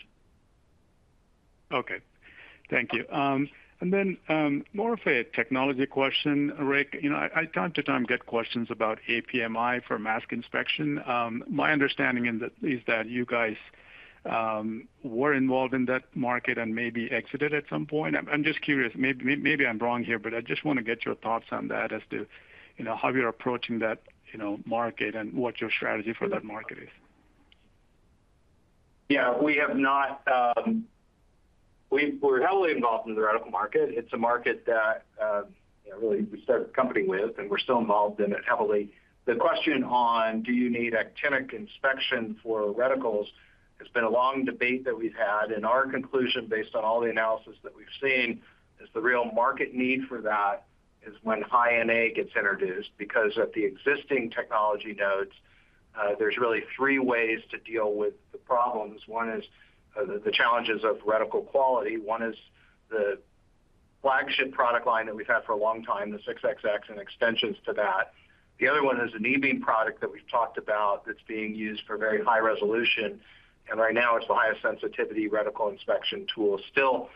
Okay. Thank you. And then, more of a technology question, Rick. You know, I time to time get questions about APMI for mask inspection. My understanding in that is that you guys were involved in that market and maybe exited at some point. I'm just curious. Maybe I'm wrong here, but I just wanna get your thoughts on that as to, you know, how you're approaching that, you know, market and what your strategy for that market is. Yeah, we have not, we're heavily involved in the reticle market. It's a market that, you know, really we started the company with, and we're still involved in it heavily. The question on, do you need actinic inspection for reticles, has been a long debate that we've had, and our conclusion, based on all the analysis that we've seen, is the real market need for that is when high-NA gets introduced. Because at the existing technology nodes, there's really three ways to deal with the problems. One is, the challenges of reticle quality. One is the flagship product line that we've had for a long time, the 6xx, and extensions to that. The other one is an E-beam product that we've talked about, that's being used for very high resolution, and right now it's the highest sensitivity reticle inspection tool. Still,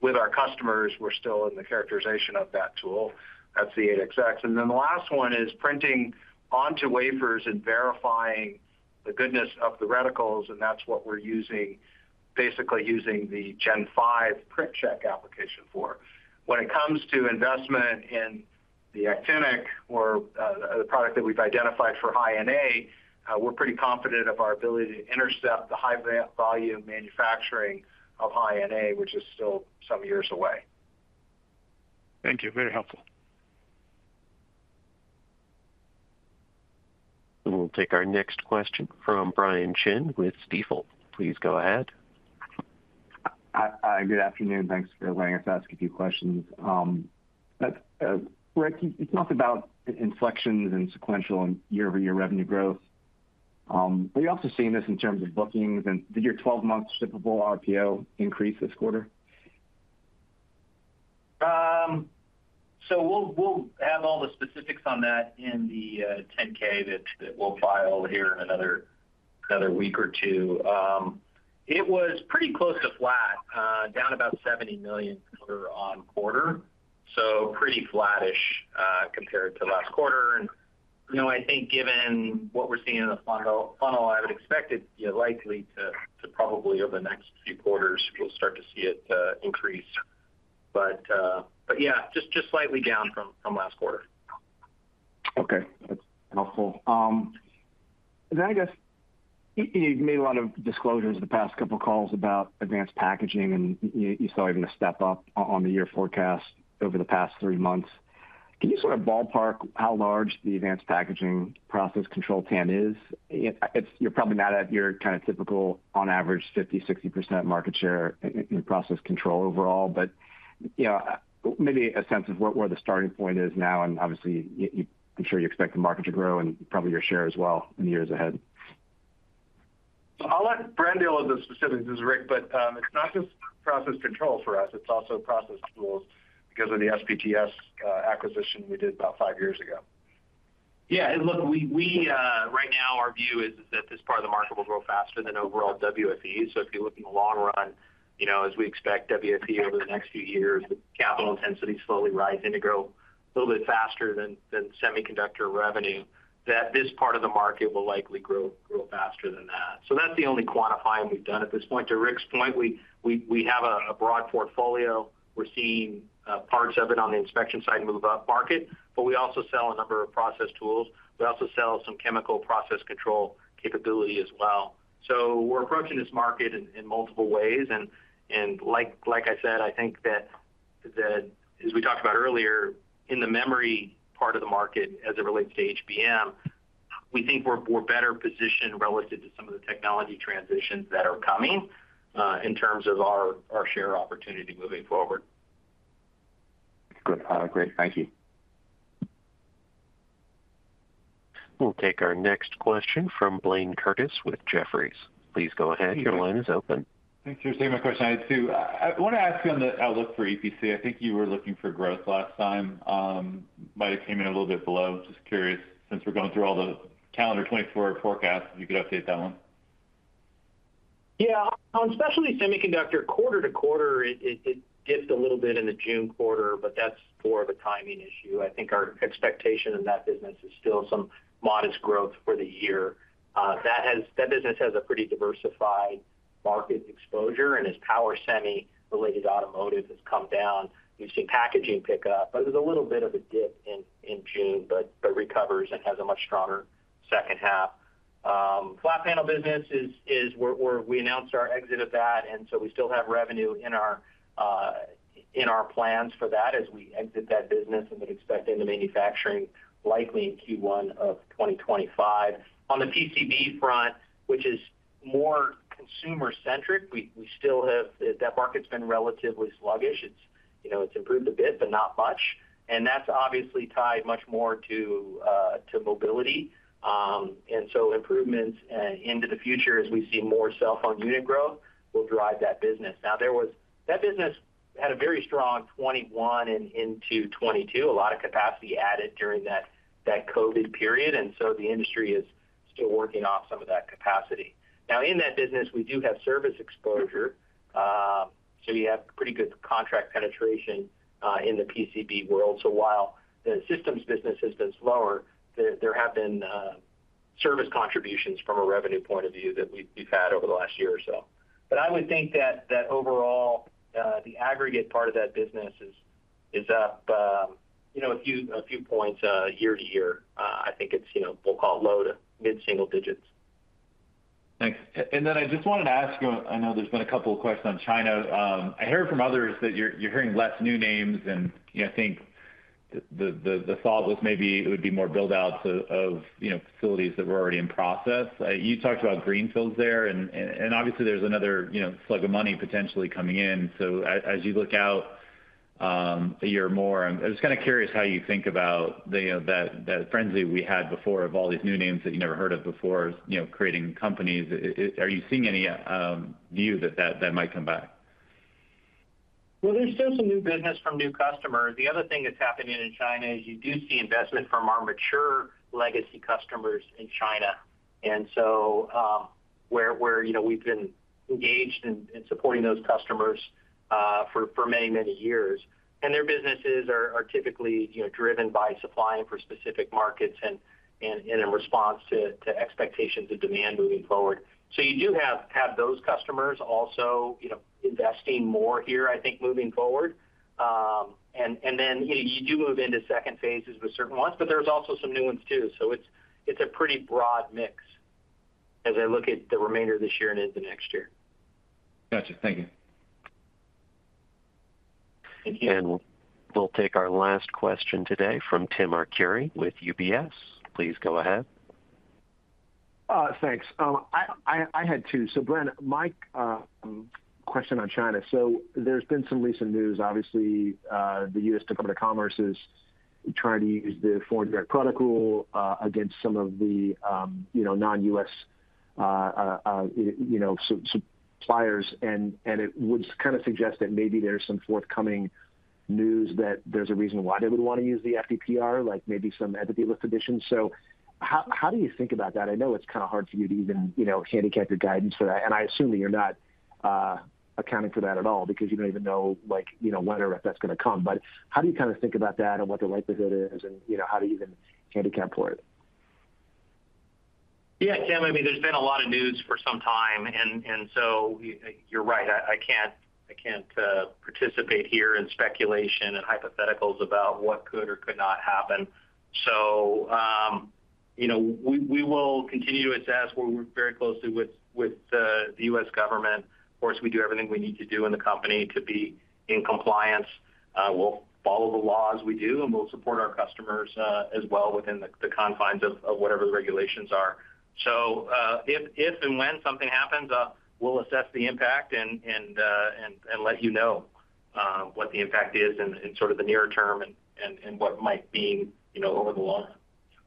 with our customers, we're still in the characterization of that tool. That's the 8xx. And then the last one is printing onto wafers and verifying the goodness of the reticles, and that's what we're using, basically using the Gen 5 PrintCheck application for. When it comes to investment in the actinic or the product that we've identified for high NA, we're pretty confident of our ability to intercept the high volume manufacturing of high NA, which is still some years away. Thank you. Very helpful. We'll take our next question from Brian Chin with Stifel. Please go ahead. Hi. Good afternoon. Thanks for letting us ask a few questions. Rick, you talked about inflections and sequential and year-over-year revenue growth. Are you also seeing this in terms of bookings, and did your 12-month shippable RPO increase this quarter? So we'll have all the specifics on that in the 10-K that we'll file here in another week or two. It was pretty close to flat, down about $70 million quarter-on-quarter, so pretty flattish, compared to last quarter. And, you know, I think given what we're seeing in the funnel, I would expect it, yeah, likely to probably over the next few quarters, we'll start to see it increase. But yeah, just slightly down from last quarter. Okay. That's helpful. Then I guess, you've made a lot of disclosures in the past couple of calls about advanced packaging, and you saw even a step up on the year forecast over the past three months. Can you sort of ballpark how large the advanced packaging process control TAM is? You're probably not at your kind of typical, on average, 50%-60% market share in process control overall. But, you know, maybe a sense of what the starting point is now, and obviously, I'm sure you expect the market to grow and probably your share as well in the years ahead. So I'll let Bren deal with the specifics, this is Rick, but it's not just process control for us, it's also process tools, because of the SPTS acquisition we did about five years ago. Yeah, and look, right now our view is that this part of the market will grow faster than overall WFE. So if you look in the long run, you know, as we expect WFE over the next few years, the capital intensity slowly rising to grow a little bit faster than semiconductor revenue, that this part of the market will likely grow faster than that. So that's the only quantifying we've done at this point. To Rick's point, we have a broad portfolio. We're seeing parts of it on the inspection side move upmarket, but we also sell a number of process tools. We also sell some chemical process control capability as well. So we're approaching this market in multiple ways, and like I said, I think that the. As we talked about earlier, in the memory part of the market, as it relates to HBM, we think we're better positioned relative to some of the technology transitions that are coming, in terms of our share opportunity moving forward. Good. Great. Thank you. We'll take our next question from Blayne Curtis with Jefferies. Please go ahead. Your line is open. Thanks for taking my question. I had two. I wanna ask you on the outlook for EPC. I think you were looking for growth last time. Might have came in a little bit below. Just curious, since we're going through all the calendar 2024 forecasts, if you could update that one. Yeah. On specialty semiconductor, quarter to quarter, it dipped a little bit in the June quarter, but that's more of a timing issue. I think our expectation in that business is still some modest growth for the year. That business has a pretty diversified market exposure, and as power semi-related automotive has come down, we've seen packaging pick up, but there's a little bit of a dip in June, but recovers and has a much stronger second half. Flat panel business is where we announced our exit of that, and so we still have revenue in our plans for that as we exit that business and would expect end of manufacturing, likely in Q1 of 2025. On the PCB front, which is more consumer-centric, we still have. That market's been relatively sluggish. It's-. You know, it's improved a bit, but not much, and that's obviously tied much more to mobility. And so improvements into the future as we see more cell phone unit growth will drive that business. Now, that business had a very strong 2021 and into 2022. A lot of capacity added during that, that COVID period, and so the industry is still working off some of that capacity. Now, in that business, we do have service exposure, so we have pretty good contract penetration in the PCB world. So while the systems business has been slower, there have been service contributions from a revenue point of view that we've had over the last year or so. But I would think that overall, the aggregate part of that business is up, you know, a few points year-over-year. I think it's, you know, we'll call it low to mid-single digits. Thanks. And then I just wanted to ask you, I know there's been a couple of questions on China. I heard from others that you're hearing less new names and, you know, I think the thought was maybe it would be more build-outs of facilities that were already in process. You talked about greenfields there, and obviously there's another slug of money potentially coming in. So as you look out a year or more, I'm just kind of curious how you think about that frenzy we had before of all these new names that you never heard of before, you know, creating companies. Are you seeing any view that might come back? Well, there's still some new business from new customers. The other thing that's happening in China is you do see investment from our mature legacy customers in China. And so, where you know, we've been engaged in supporting those customers for many, many years, and their businesses are typically, you know, driven by supplying for specific markets and in a response to expectations of demand moving forward. So you do have those customers also, you know, investing more here, I think, moving forward. And then, you know, you do move into second phases with certain ones, but there's also some new ones, too. So it's a pretty broad mix as I look at the remainder of this year and into next year. Gotcha. Thank you. Thank you. We'll take our last question today from Tim Arcuri with UBS. Please go ahead. Thanks. I had two. So, Bren, my question on China. So there's been some recent news. Obviously, the U.S. Department of Commerce is trying to use the Foreign Direct Product Rule against some of the, you know, non-US suppliers, and it would kind of suggest that maybe there's some forthcoming news that there's a reason why they would want to use the FDPR, like maybe some Entity List additions. So how do you think about that? I know it's kind of hard for you to even, you know, handicap your guidance for that, and I assume that you're not accounting for that at all because you don't even know, like, you know, whether or if that's going to come. But how do you kind of think about that and what the likelihood is, and, you know, how to even handicap for it? Yeah, Tim, I mean, there's been a lot of news for some time, and so you're right. I can't participate here in speculation and hypotheticals about what could or could not happen. So, you know, we will continue to assess. We work very closely with the U.S. government. Of course, we do everything we need to do in the company to be in compliance. We'll follow the laws we do, and we'll support our customers as well, within the confines of whatever the regulations are. So, if and when something happens, we'll assess the impact and let you know what the impact is in sort of the near term and what might be, you know, over the long run.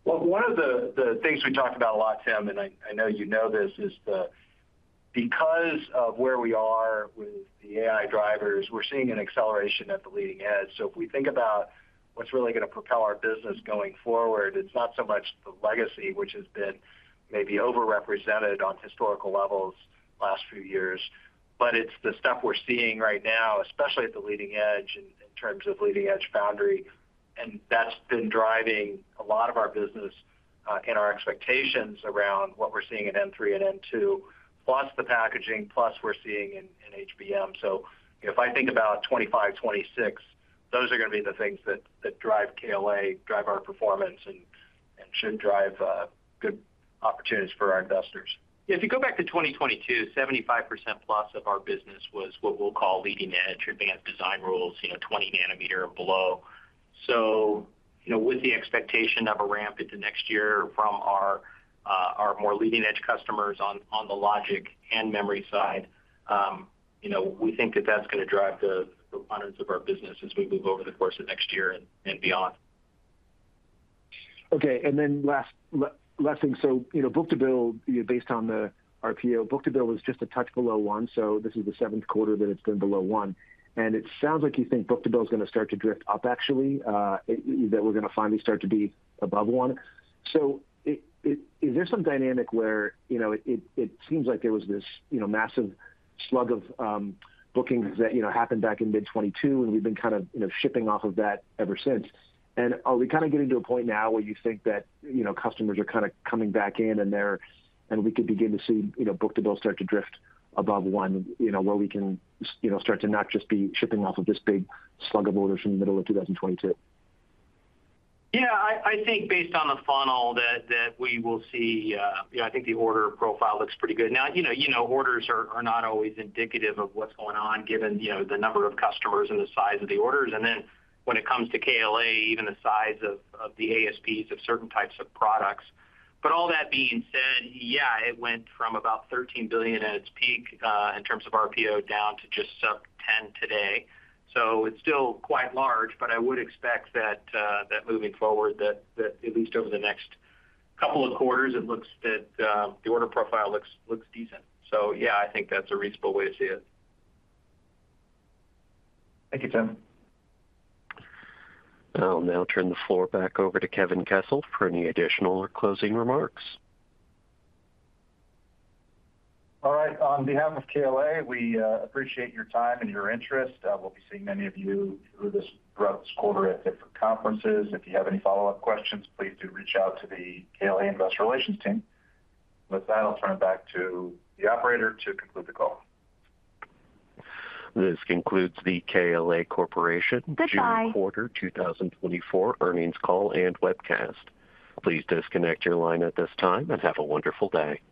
Well, one of the, the things we talked about a lot, Tim, and I, I know you know this, is the... Because of where we are with the AI drivers, we're seeing an acceleration at the leading edge. So if we think about what's really going to propel our business going forward, it's not so much the legacy, which has been maybe overrepresented on historical levels the last few years, but it's the stuff we're seeing right now, especially at the leading edge in, in terms of leading-edge foundry, and that's been driving a lot of our business, and our expectations around what we're seeing in N3 and N2, plus the packaging, plus we're seeing in, in HBM. So if I think about 2025, 2026, those are going to be the things that, that drive KLA, drive our performance, and, and should drive, good opportunities for our investors. If you go back to 2022, 75% plus of our business was what we'll call leading edge, advanced design rules, you know, 20 nanometer or below. So, you know, with the expectation of a ramp into next year from our our more leading-edge customers on the logic and memory side, you know, we think that that's going to drive the performance of our business as we move over the course of next year and beyond. Okay, and then last thing. So, you know, book-to-bill, based on the RPO, book-to-bill is just a touch below one, so this is the seventh quarter that it's been below one. And it sounds like you think book-to-bill is going to start to drift up actually, that we're going to finally start to be above one. So is there some dynamic where, you know, it, it seems like there was this, you know, massive slug of bookings that, you know, happened back in mid 2022, and we've been kind of, you know, shipping off of that ever since. Are we kind of getting to a point now where you think that, you know, customers are kind of coming back in, and they're, and we could begin to see, you know, Book-to-Bill start to drift above 1, you know, where we can, you know, start to not just be shipping off of this big slug of orders from the middle of 2022? Yeah, I think based on the funnel, that we will see, you know, I think the order profile looks pretty good. Now, you know, orders are not always indicative of what's going on, given, you know, the number of customers and the size of the orders, and then when it comes to KLA, even the size of the ASPs of certain types of products. But all that being said, yeah, it went from about $13 billion at its peak, in terms of RPO, down to just sub-$10 billion today. So, it's still quite large, but I would expect that moving forward, that at least over the next couple of quarters, it looks that the order profile looks decent. So yeah, I think that's a reasonable way to see it. Thank you, Tim. I'll now turn the floor back over to Kevin Kessel for any additional or closing remarks. All right. On behalf of KLA, we appreciate your time and your interest. We'll be seeing many of you through this, throughout this quarter at different conferences. If you have any follow-up questions, please do reach out to the KLA Investor Relations team. With that, I'll turn it back to the operator to conclude the call. This concludes the KLA Corporation-June quarter 2024 earnings call and webcast. Please disconnect your line at this time, and have a wonderful day.